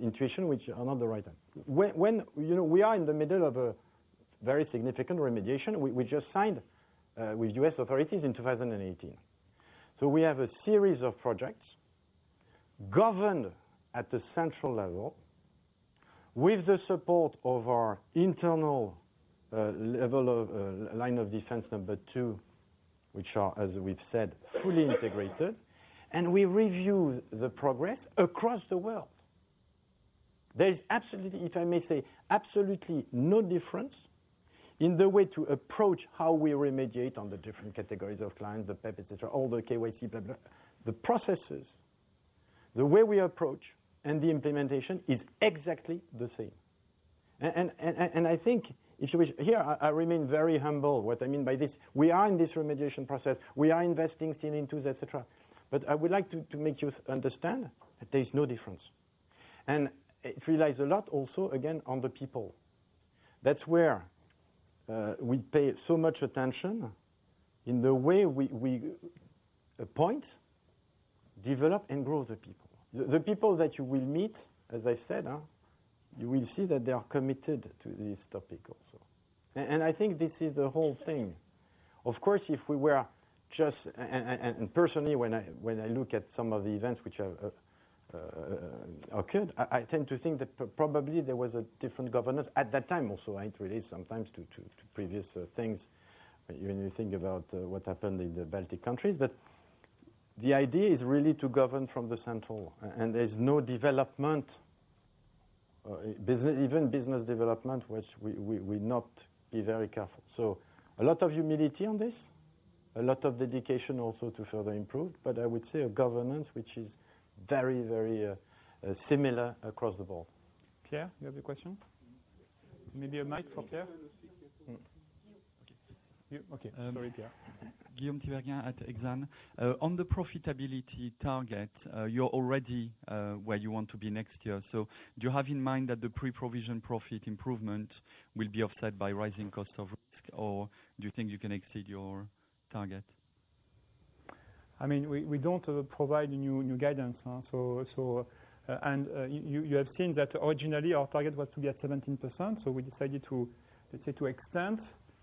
intuition which are not the right one. We are in the middle of a very significant remediation. We just signed with U.S. authorities in 2018. We have a series of projects governed at the central level with the support of our internal line of defense number 2, which are, as we’ve said, fully integrated, and we review the progress across the world. There’s absolutely no difference in the way to approach how we remediate on the different categories of clients, the PEP, all the KYC, blah. The processes, the way we approach, and the implementation is exactly the same. I think here I remain very humble. What I mean by this, we are in this remediation process. We are investing in tools, et cetera, but I would like to make you understand that there’s no difference. It relies a lot also, again, on the people. That’s where we pay so much attention in the way we appoint, develop, and grow the people. The people that you will meet, as I said, you will see that they are committed to this topic also. I think this is the whole thing. Of course, personally, when I look at some of the events which have occurred, I tend to think that probably there was a different governance at that time also. I have to relate sometimes to previous things when you think about what happened in the Baltic countries, but the idea is really to govern from the central, and there's no development, even business development, which we'll not be very careful. A lot of humility on this, a lot of dedication also to further improve, but I would say a governance which is very, very similar across the board. Pierre, you have a question? Maybe a mic for Pierre. Okay. Sorry, Pierre. Guillaume Tiberghien at Exane. On the profitability target, you're already where you want to be next year. Do you have in mind that the pre-provision profit improvement will be offset by rising cost of risk? Do you think you can exceed your target? We don't provide new guidance. You have seen that originally, our target was to be at 17%. We decided to extend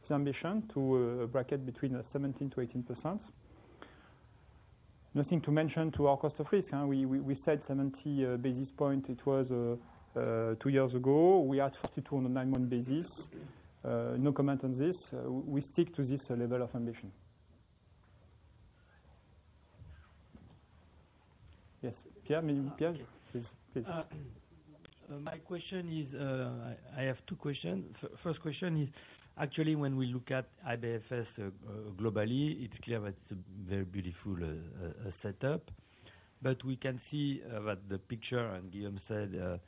the ambition to a bracket between 17%-18%. Nothing to mention to our cost of risk. We said 70 basis points, it was two years ago. We are 52 on a nine-month basis. No comment on this. We stick to this level of ambition. Yes, Pierre, please. My question is, I have two questions. First question is, actually, when we look at IBFS globally, it is clear that it is a very beautiful setup. We can see that the picture, and Guillaume said,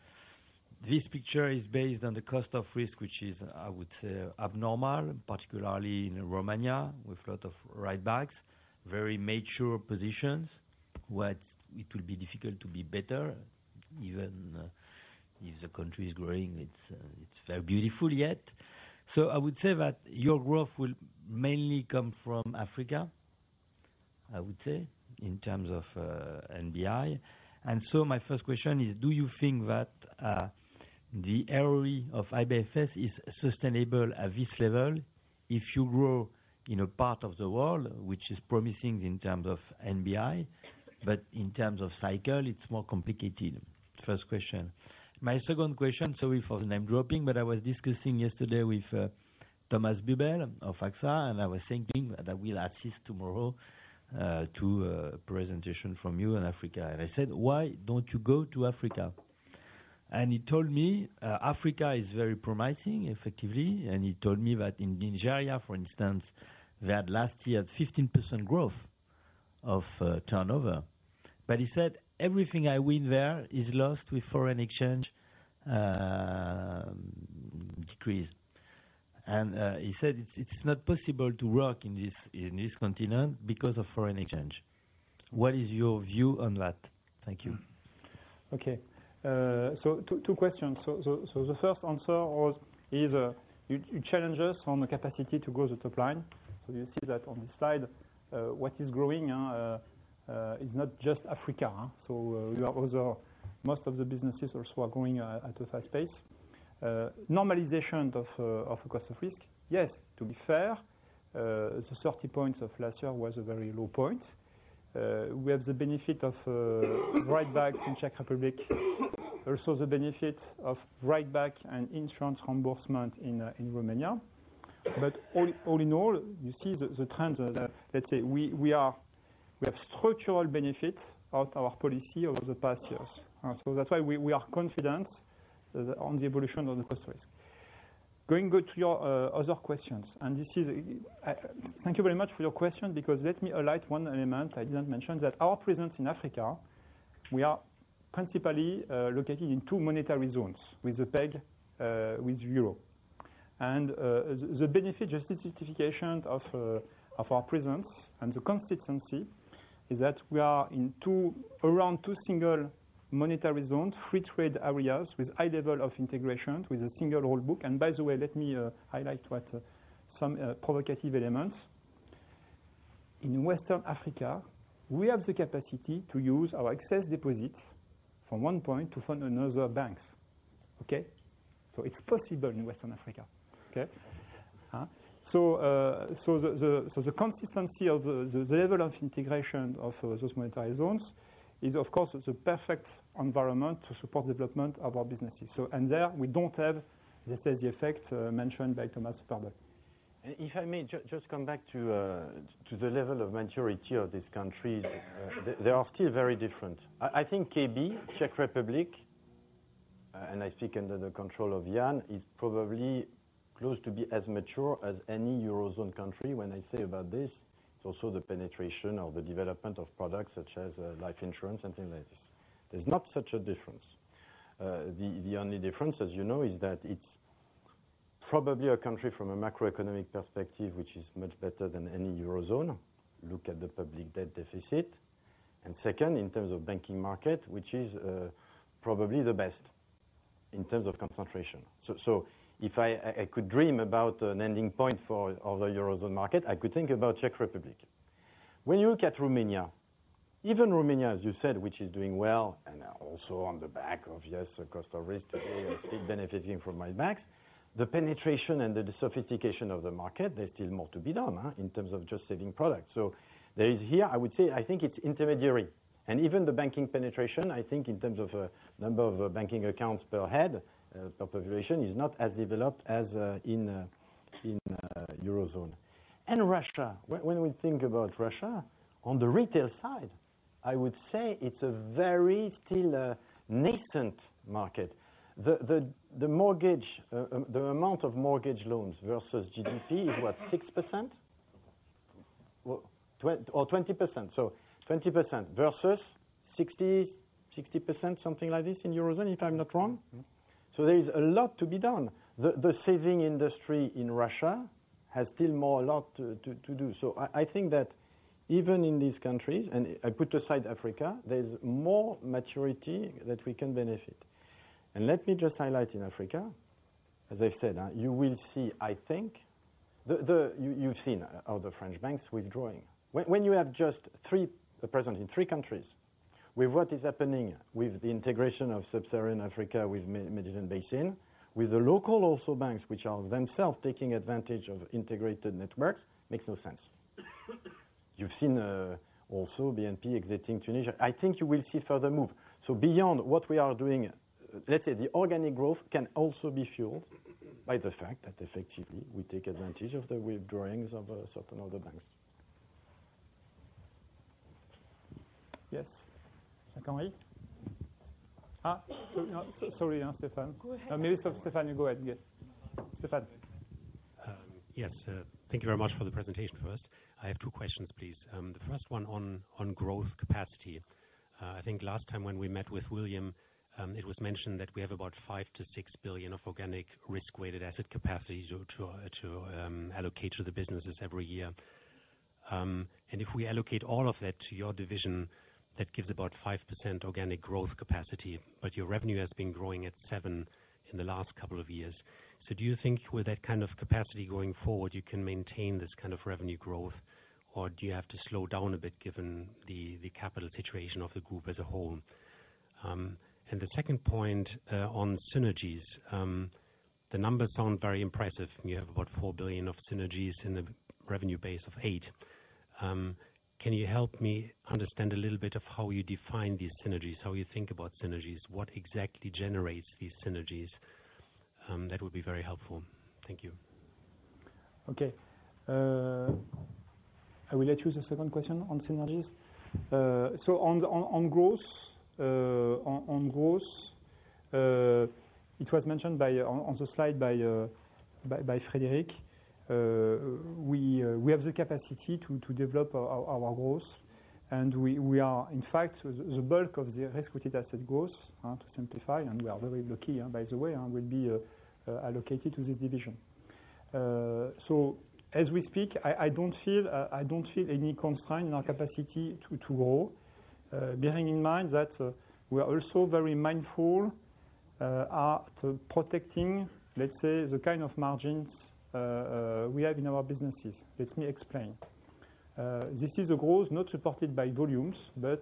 this picture is based on the cost of risk, which is, I would say, abnormal, particularly in Romania, with lot of write-backs. Very mature positions, what it will be difficult to be better even if the country is growing, it is very beautiful yet. I would say that your growth will mainly come from Africa, I would say, in terms of NBI. My first question is, do you think that the ROE of IBFS is sustainable at this level if you grow in a part of the world which is promising in terms of NBI, but in terms of cycle, it is more complicated? First question. My second question, sorry for the name-dropping, but I was discussing yesterday with Thomas Buberl of AXA, and I was thinking that I will assist tomorrow to a presentation from you in Africa. I said, "Why don't you go to Africa?" He told me Africa is very promising, effectively, and he told me that in Nigeria, for instance, they had last year 15% growth of turnover. He said, "Everything I win there is lost with foreign exchange decrease." He said, "It's not possible to work in this continent because of foreign exchange." What is your view on that? Thank you. Okay. Two questions. The first answer is, you challenge us on the capacity to grow the top line. You see that on this slide, what is growing is not just Africa. Most of the businesses also are growing at a fast pace. Normalization of cost of risk. Yes, to be fair, the 30 points of last year was a very low point. We have the benefit of write-backs in Czech Republic, also the benefit of write-back and insurance reimbursement in Romania. All in all, you see the trends are there. Let's say we have structural benefits out our policy over the past years. That's why we are confident on the evolution of the cost risk. Going to your other questions. Thank you very much for your question. Let me highlight one element I didn't mention, that our presence in Africa, we are principally located in two monetary zones with the peg with euro. The benefit, the justification of our presence and the consistency is that we are around two single monetary zones, free trade areas with high level of integration, with a single rule book. By the way, let me highlight some provocative elements. In Western Africa, we have the capacity to use our excess deposits from one point to fund another banks. Okay. It's possible in Western Africa. Okay. The consistency of the level of integration of those monetary zones is, of course, the perfect environment to support development of our businesses. There we don't have, let's say, the effect mentioned by Thomas Buberl. If I may just come back to the level of maturity of this country, they are still very different. I think KB, Czech Republic, and I speak under the control of Jan, is probably close to be as mature as any Eurozone country. When I say about this, it's also the penetration or the development of products such as life insurance, something like this. There's not such a difference. The only difference, as you know, is that it's probably a country from a macroeconomic perspective, which is much better than any Eurozone. Look at the public debt deficit. Second, in terms of banking market, which is probably the best in terms of concentration. If I could dream about an ending point for other Eurozone market, I could think about Czech Republic. When you look at Romania, even Romania, as you said, which is doing well, and also on the back of, yes, the cost of risk today are still benefiting from write-backs. The penetration and the sophistication of the market, there is still more to be done in terms of just saving products. There is here, I would say, I think it's intermediary, and even the banking penetration, I think in terms of number of banking accounts per head, per population, is not as developed as in Eurozone. Russia. When we think about Russia, on the retail side, I would say it's a very still nascent market. The amount of mortgage loans versus GDP is what? 6%? 20%. So 20% versus 60%, something like this, in Eurozone, if I'm not wrong. There is a lot to be done. The saving industry in Russia has still more a lot to do. I think that even in these countries, and I put aside Africa, there's more maturity that we can benefit. Let me just highlight in Africa, as I've said, you will see, I think you've seen other French banks withdrawing. When you are just present in three countries, with what is happening with the integration of Sub-Saharan Africa, with Mediterranean Basin, with the local also banks, which are themselves taking advantage of integrated networks, makes no sense. You've seen also BNP exiting Tunisia. I think you will see further move. Beyond what we are doing, let's say the organic growth can also be fueled by the fact that effectively we take advantage of the withdrawings of certain other banks. Yes. Jean-Pierre? Sorry, Stephan. Go ahead. Maybe Stephan, you go ahead. Yes. Stephan. Yes. Thank you very much for the presentation first. I have two questions, please. The first one on growth capacity. I think last time when we met with William, it was mentioned that we have about 5 billion-6 billion of organic risk-weighted asset capacity to allocate to the businesses every year. If we allocate all of that to your division, that gives about 5% organic growth capacity, but your revenue has been growing at 7% in the last couple of years. Do you think with that kind of capacity going forward, you can maintain this kind of revenue growth, or do you have to slow down a bit given the capital situation of the group as a whole? The second point on synergies. The numbers sound very impressive. You have about 4 billion of synergies in the revenue base of 8 billion. Can you help me understand a little bit of how you define these synergies, how you think about synergies, what exactly generates these synergies? That would be very helpful. Thank you. Okay. I will let you the second question on synergies. On growth, it was mentioned on the slide by Frédéric. We have the capacity to develop our growth. We are, in fact, the bulk of the risk-weighted asset growth, to simplify, and we are very lucky by the way, will be allocated to this division. As we speak, I don't feel any constraint in our capacity to grow, bearing in mind that we are also very mindful at protecting, let's say, the kind of margins we have in our businesses. Let me explain. This is a growth not supported by volumes, but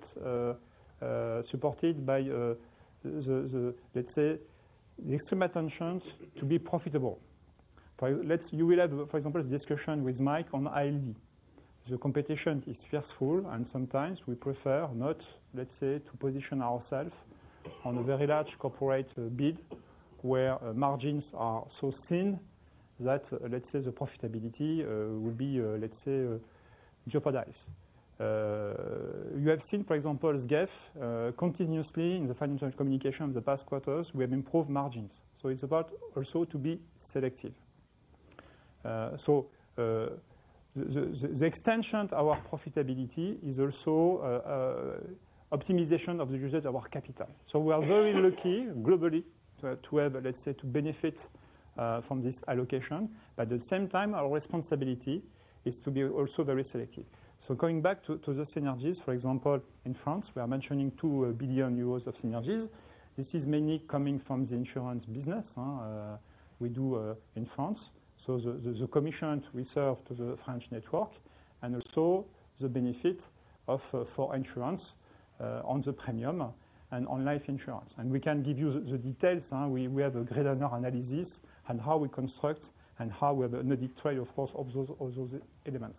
supported by, let's say, the extreme attentions to be profitable. You will have, for example, the discussion with Mike on ALD. The competition is fearful, and sometimes we prefer not, let's say, to position ourself on a very large corporate bid where margins are so thin that, let's say, the profitability will be jeopardized. You have seen, for example, GEF continuously in the financial communication the past quarters, we have improved margins. It's about also to be selective. The extension to our profitability is also optimization of the usage of our capital. We are very lucky globally to have, let's say, to benefit from this allocation. At the same time, our responsibility is to be also very selective. Going back to the synergies, for example, in France, we are mentioning 2 billion euros of synergies. This is mainly coming from the insurance business we do in France. The commissions we serve to the French network, also the benefit for insurance on the premium and on life insurance. We can give you the details. We have a granular analysis on how we construct and how we are in the detail, of course, of those elements.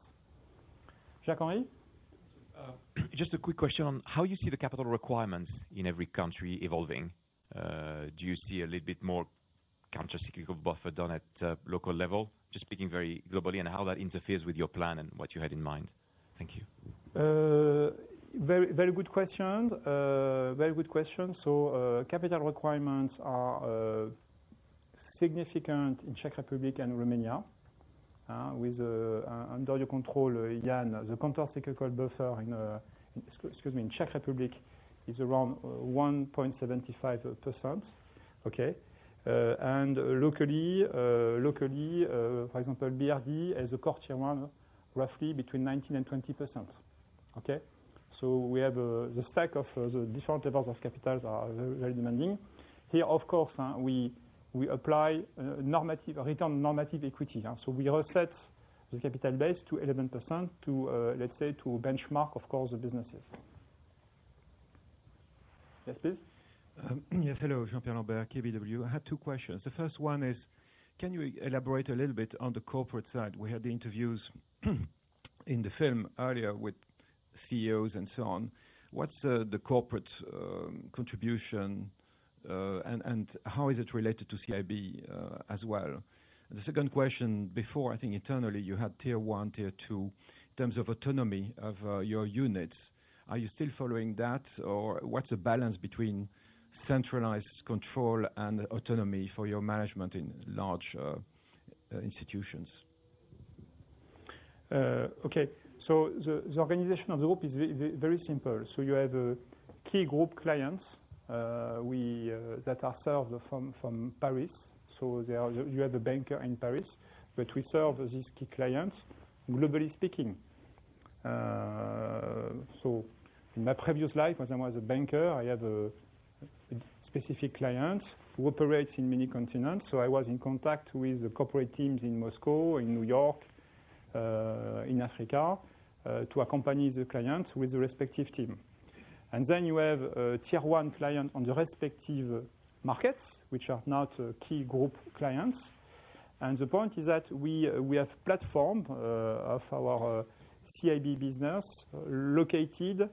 Jean-Henri? Just a quick question on how you see the capital requirements in every country evolving. Do you see a little bit more countercyclical buffer done at local level, just speaking very globally, and how that interferes with your plan and what you had in mind? Thank you. Very good question. Capital requirements are significant in Czech Republic and Romania. Under your control, Jan, the countercyclical buffer in, excuse me, in Czech Republic is around 1.75%. Okay. Locally, for example, BRD has a core Tier 1 roughly between 19% and 20%. Okay? We have the stack of the different levels of capitals are very demanding. Here, of course, we apply return on normative equity. We reset the capital base to 11% to, let's say, to benchmark, of course, the businesses. Yes, please. Yes, hello. Jean-Pierre Lambert, KBW. I have two questions. The first one is, can you elaborate a little bit on the corporate side? We had the interviews in the film earlier with CEOs and so on. What's the corporate contribution, and how is it related to CIB as well? The second question, before, I think internally, you had Tier 1, Tier 2, in terms of autonomy of your units. Are you still following that, or what's the balance between Centralized control and autonomy for your management in large institutions. Okay. The organization of the group is very simple. You have key group clients that are served from Paris. You have a banker in Paris, but we serve these key clients globally speaking. In my previous life, when I was a banker, I have a specific client who operates in many continents. I was in contact with the corporate teams in Moscow, in New York, in Africa, to accompany the client with the respective team. You have a tier 1 client on the respective markets, which are now key group clients. The point is that we have platform of our CIB business located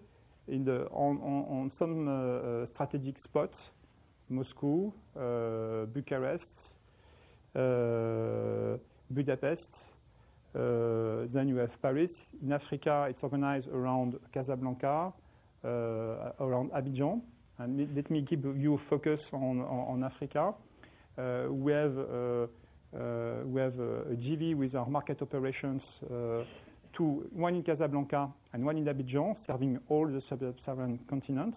on some strategic spots, Moscow, Bucharest, Budapest, then you have Paris. In Africa, it's organized around Casablanca, around Abidjan. Let me keep you focused on Africa. We have a JV with our market operations, one in Casablanca and one in Abidjan, serving all the Southern continent.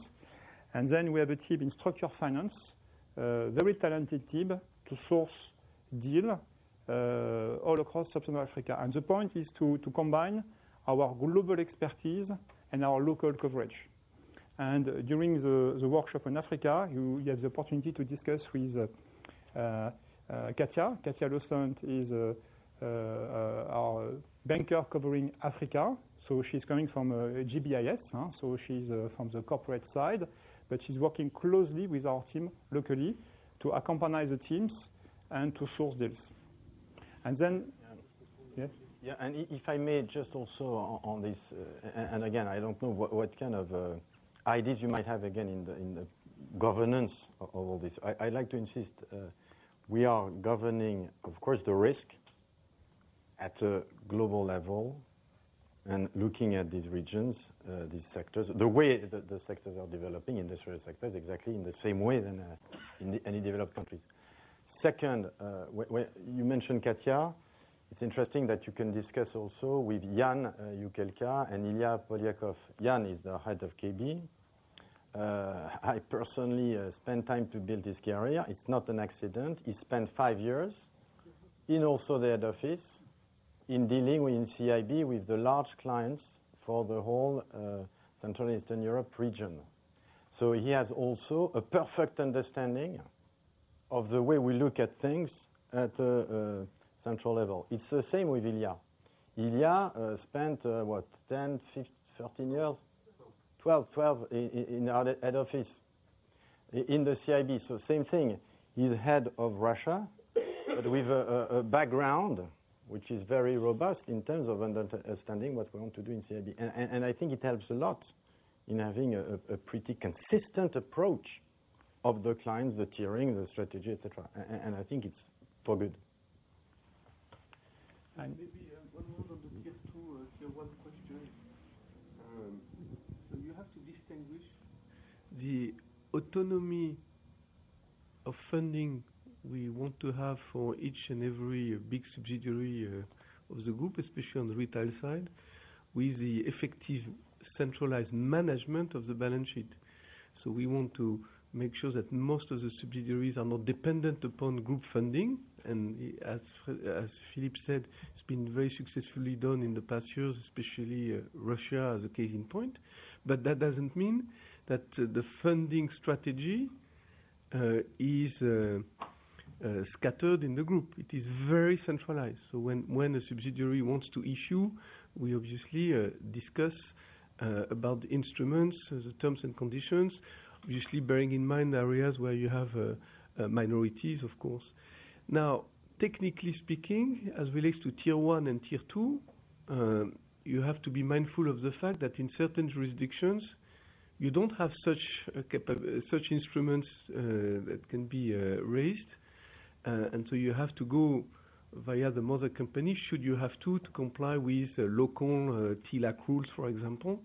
We have a team in structured finance, a very talented team to source deals all across Southern Africa. The point is to combine our global expertise and our local coverage. During the workshop in Africa, you had the opportunity to discuss with Katja. Katja Rusant is our banker covering Africa. She's coming from GBIS, so she's from the corporate side, but she's working closely with our team locally to accompany the teams and to source deals. Yeah. If I may just also on this, again, I don't know what kind of ideas you might have, again, in the governance of all this. I'd like to insist, we are governing, of course, the risk at a global level and looking at these regions, these sectors, the way the sectors are developing, industrial sectors, exactly in the same way as any developed country. Second, you mentioned Katja. It's interesting that you can discuss also with Jan Juchelka and Ilya Polyakov. Jan is the head of KB. I personally spent time to build this area. It's not an accident. He spent five years in also the head office in dealing with CIB, with the large clients for the whole Central Eastern Europe region. He has also a perfect understanding of the way we look at things at a central level. It's the same with Ilya. Ilya spent what, 10, 15 years? 12 in the head office in the CIB. Same thing. He's head of Russia, but with a background which is very robust in terms of understanding what we want to do in CIB. I think it helps a lot in having a pretty consistent approach of the clients, the tiering, the strategy, et cetera. I think it's for good. Maybe one more on the tier 2, tier 1 question. You have to distinguish the autonomy of funding we want to have for each and every big subsidiary of the group, especially on the retail side, with the effective centralized management of the balance sheet. We want to make sure that most of the subsidiaries are not dependent upon group funding. As Philippe said, it's been very successfully done in the past years, especially Russia as a case in point. That doesn't mean that the funding strategy is scattered in the group. It is very centralized. When a subsidiary wants to issue, we obviously discuss about the instruments, the terms, and conditions, obviously bearing in mind areas where you have minorities, of course. Now, technically speaking, as relates to tier 1 and tier 2, you have to be mindful of the fact that in certain jurisdictions, you don't have such instruments that can be raised, and so you have to go via the mother company, should you have to comply with local TLAC rules, for example.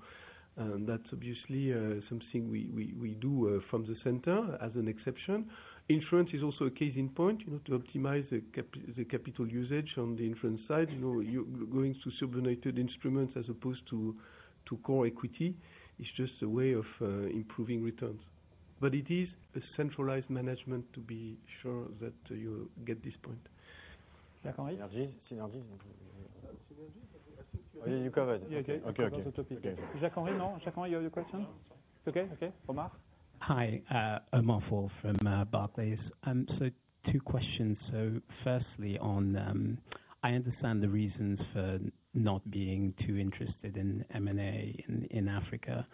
That's obviously something we do from the center as an exception. Insurance is also a case in point, to optimize the capital usage on the insurance side. Going to subordinated instruments as opposed to core equity is just a way of improving returns. It is a centralized management to be sure that you get this point. Jacques-Henri? Synergy? Synergy? I think you covered. You covered. Okay. That was the topic. Jacques-Henri, no? Jacques-Henri, you have a question? Okay. Omar. Hi. Omar Fall from Barclays. Two questions. Firstly, I understand the reasons for not being too interested in M&A in Africa.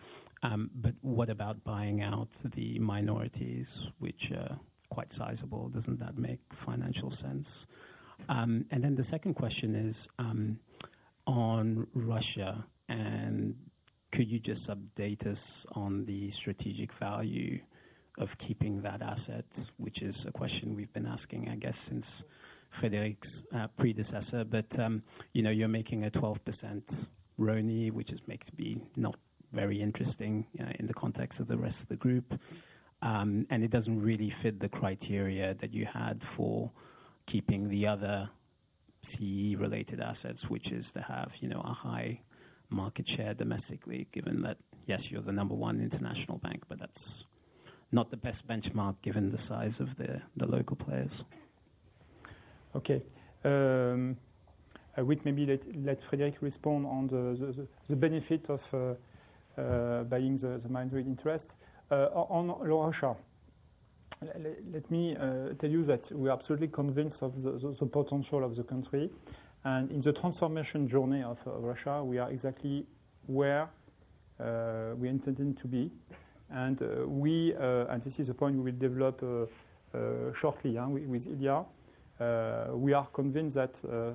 What about buying out the minorities, which are quite sizable? Doesn't that make financial sense? The second question is on Russia, and could you just update us on the strategic value of keeping that asset, which is a question we've been asking, I guess, since Frédéric's predecessor. You're making a 12% RONAE, which just makes it be not very interesting in the context of the rest of the group. It doesn't really fit the criteria that you had for keeping the other CEE-related assets, which is to have a high market share domestically, given that, yes, you're the number 1 international bank, but that's not the best benchmark given the size of the local players. Okay. I will maybe let Frédéric respond on the benefit of buying the minority interest. On Russia, let me tell you that we're absolutely convinced of the potential of the country. In the transformation journey of Russia, we are exactly where we intended to be. This is a point we'll develop shortly, with Ilya. We are convinced that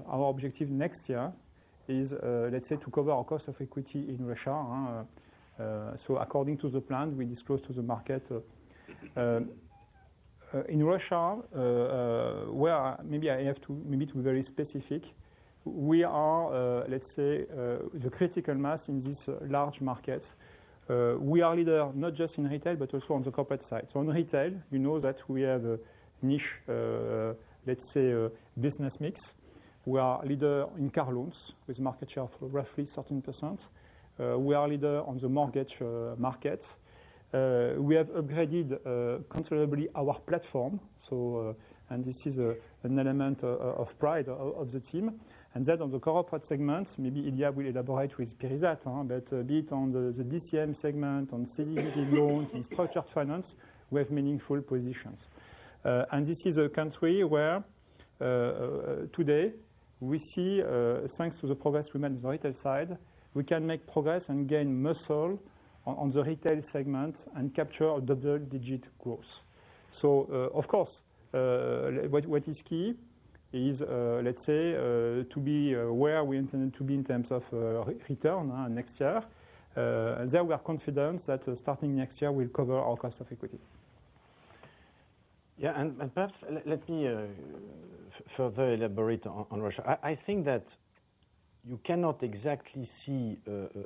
our objective next year is, let's say, to cover our cost of equity in Russia. According to the plan, we disclose to the market. In Russia, maybe I have to be very specific, we are, let's say, the critical mass in this large market. We are leader not just in retail, but also on the corporate side. In retail, you know that we have a niche, let's say a business mix. We are leader in car loans with market share of roughly 13%. We are leader on the mortgage market. We have upgraded considerably our platform. This is an element of pride of the team. On the corporate segment, maybe Ilya will elaborate with [Kerizat], but be it on the BTM segment, on CDD loans, in project finance, we have meaningful positions. This is a country where, today, we see, thanks to the progress we made in the retail side, we can make progress and gain muscle on the retail segment and capture our double-digit growth. Of course, what is key is, let's say, to be where we intend to be in terms of return next year. There we are confident that starting next year, we'll cover our cost of equity. Perhaps let me further elaborate on Russia. I think that you cannot exactly see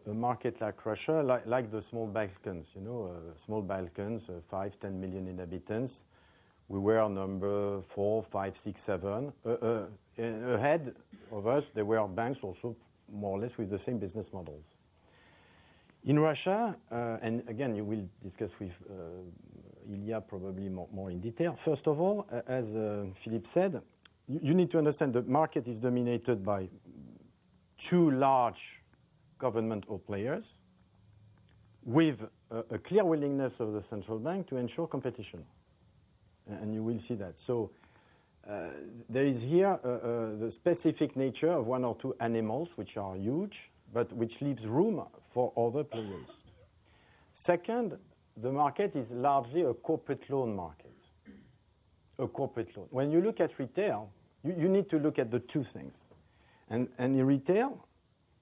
a market like Russia, like the small Balkans, five, 10 million inhabitants. We were number 4, 5, 6, 7. Ahead of us, there were banks also more or less with the same business models. In Russia, again, we will discuss with Ilya probably more in detail. First of all, as Philippe said, you need to understand the market is dominated by two large governmental players with a clear willingness of the Central Bank to ensure competition, you will see that. There is here the specific nature of one or two animals, which are huge, but which leaves room for other players. Second, the market is largely a corporate loan market. A corporate loan. When you look at retail, you need to look at the two things. In retail,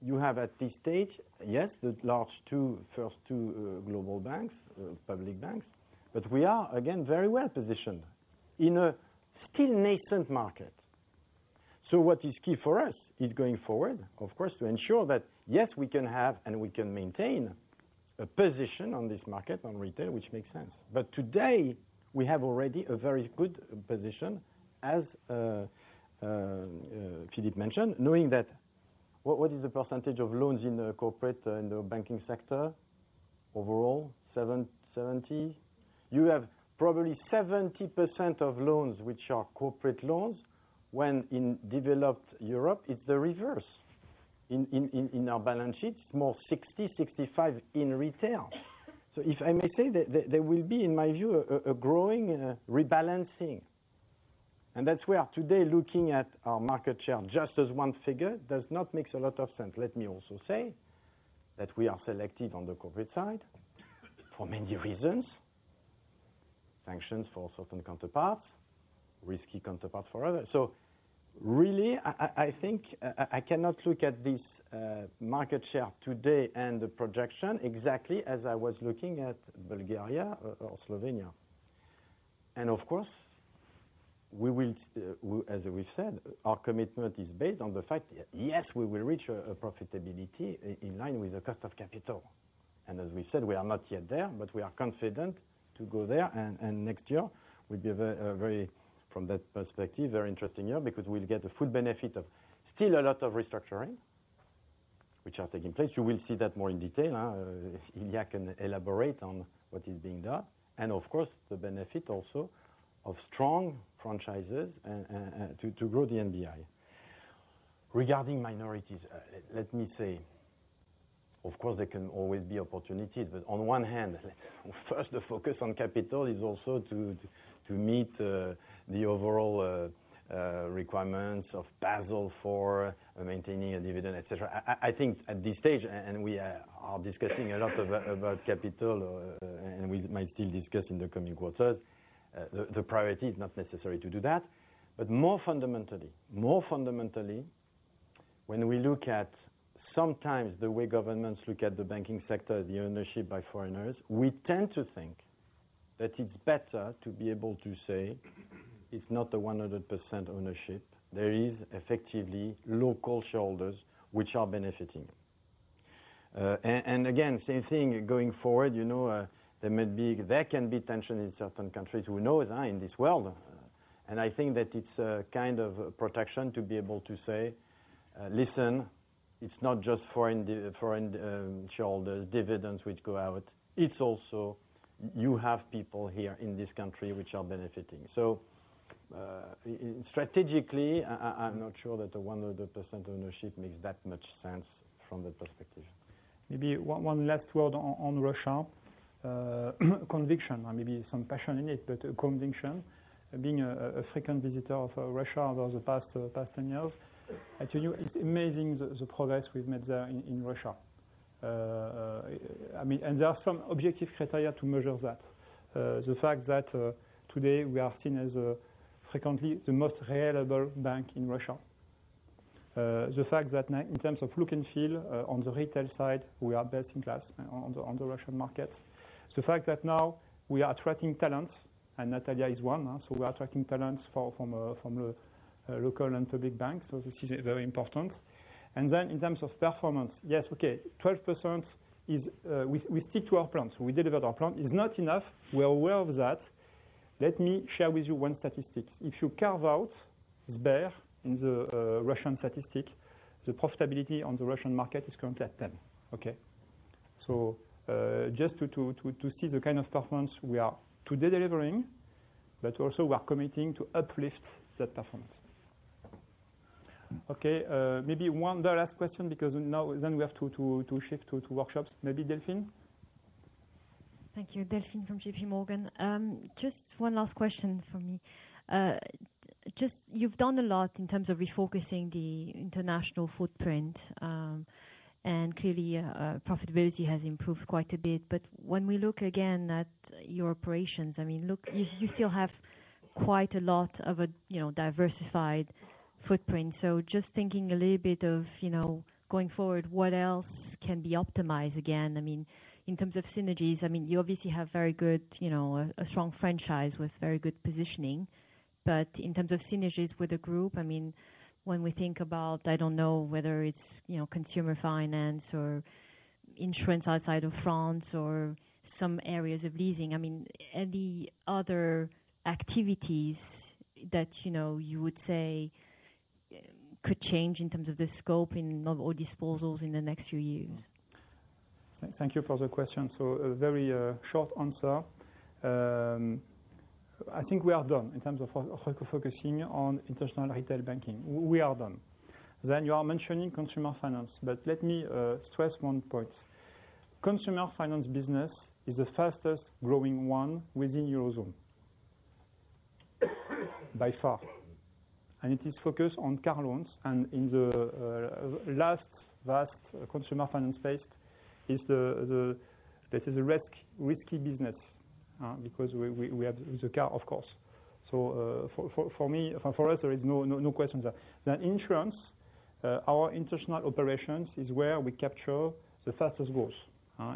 you have at this stage, yes, the large two, first two global banks, public banks, but we are, again, very well positioned in a still nascent market. What is key for us is going forward, of course, to ensure that, yes, we can have and we can maintain a position on this market, on retail, which makes sense. Today, we have already a very good position, as Philippe mentioned, knowing that what is the percentage of loans in the corporate, in the banking sector overall, 70%? You have probably 70% of loans which are corporate loans, when in developed Europe, it's the reverse. In our balance sheet, more 60%-65% in retail. If I may say, there will be, in my view, a growing rebalancing, and that's where today looking at our market share just as one figure does not make a lot of sense. Let me also say that we are selective on the corporate side for many reasons. Sanctions for certain counterparts, risky counterparts for others. Really, I think I cannot look at this market share today and the projection exactly as I was looking at Bulgaria or Slovenia. Of course, as we've said, our commitment is based on the fact that, yes, we will reach a profitability in line with the cost of capital. As we said, we are not yet there, but we are confident to go there, and next year will be, from that perspective, very interesting year because we will get the full benefit of still a lot of restructuring which are taking place. You will see that more in detail. Ilya can elaborate on what is being done. Of course, the benefit also of strong franchises to grow the NBI. Regarding minorities, let me say, of course, there can always be opportunities, but on one hand, first, the focus on capital is also to meet the overall requirements of Basel IV, maintaining a dividend, et cetera. I think at this stage, and we are discussing a lot about capital, and we might still discuss in the coming quarters, the priority is not necessary to do that. More fundamentally, when we look at sometimes the way governments look at the banking sector, the ownership by foreigners, we tend to think that it's better to be able to say it's not the 100% ownership. There is effectively local shareholders which are benefiting. Again, same thing going forward, there can be tension in certain countries. We know that in this world. I think that it's a kind of protection to be able to say, "Listen, it's not just foreign shareholders, dividends which go out, it's also you have people here in this country which are benefiting." Strategically, I'm not sure that the 100% ownership makes that much sense from that perspective. Maybe one last word on Russia. Conviction, or maybe some passion in it, but conviction. Being a frequent visitor of Russia over the past 10 years, I tell you, it's amazing the progress we've made there in Russia. There are some objective criteria to measure that. The fact that today we are seen as frequently the most reliable bank in Russia. The fact that now, in terms of look and feel on the retail side, we are best-in-class now on the Russian market. The fact that now we are attracting talents, Natalia is one, we are attracting talents from the local and public bank. This is very important. In terms of performance, yes, okay, we stick to our plans. We delivered our plan. It's not enough. We are aware of that. Let me share with you one statistic. If you carve out Sber in the Russian statistic, the profitability on the Russian market is currently at 10, okay? Just to see the kind of performance we are today delivering, but also we are committing to uplift that performance. Okay. Maybe one last question, because then we have to shift to workshops. Maybe Delphine? Thank you. Delphine from JPMorgan. Just one last question from me. You've done a lot in terms of refocusing the international footprint, clearly profitability has improved quite a bit. When we look again at your operations, you still have quite a lot of a diversified footprint. Just thinking a little bit of, going forward, what else can be optimized, again? In terms of synergies, you obviously have a strong franchise with very good positioning. In terms of synergies with the group, when we think about, I don't know, whether it's consumer finance or insurance outside of France or some areas of leasing. Any other activities that you would say could change in terms of the scope or disposals in the next few years? Thank you for the question. A very short answer. I think we are done in terms of refocusing on international retail banking. We are done. You are mentioning consumer finance, but let me stress one point. Consumer finance business is the fastest-growing one within Eurozone. By far. It is focused on car loans, and in the last vast consumer finance space, this is a risky business because we have the car, of course. For us, there is no question there. Insurance, our international operations is where we capture the fastest growth.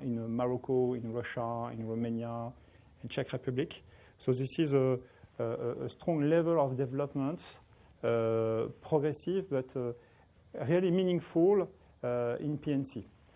In Morocco, in Russia, in Romania, in Czech Republic. This is a strong level of development, progressive, but really meaningful in P&C.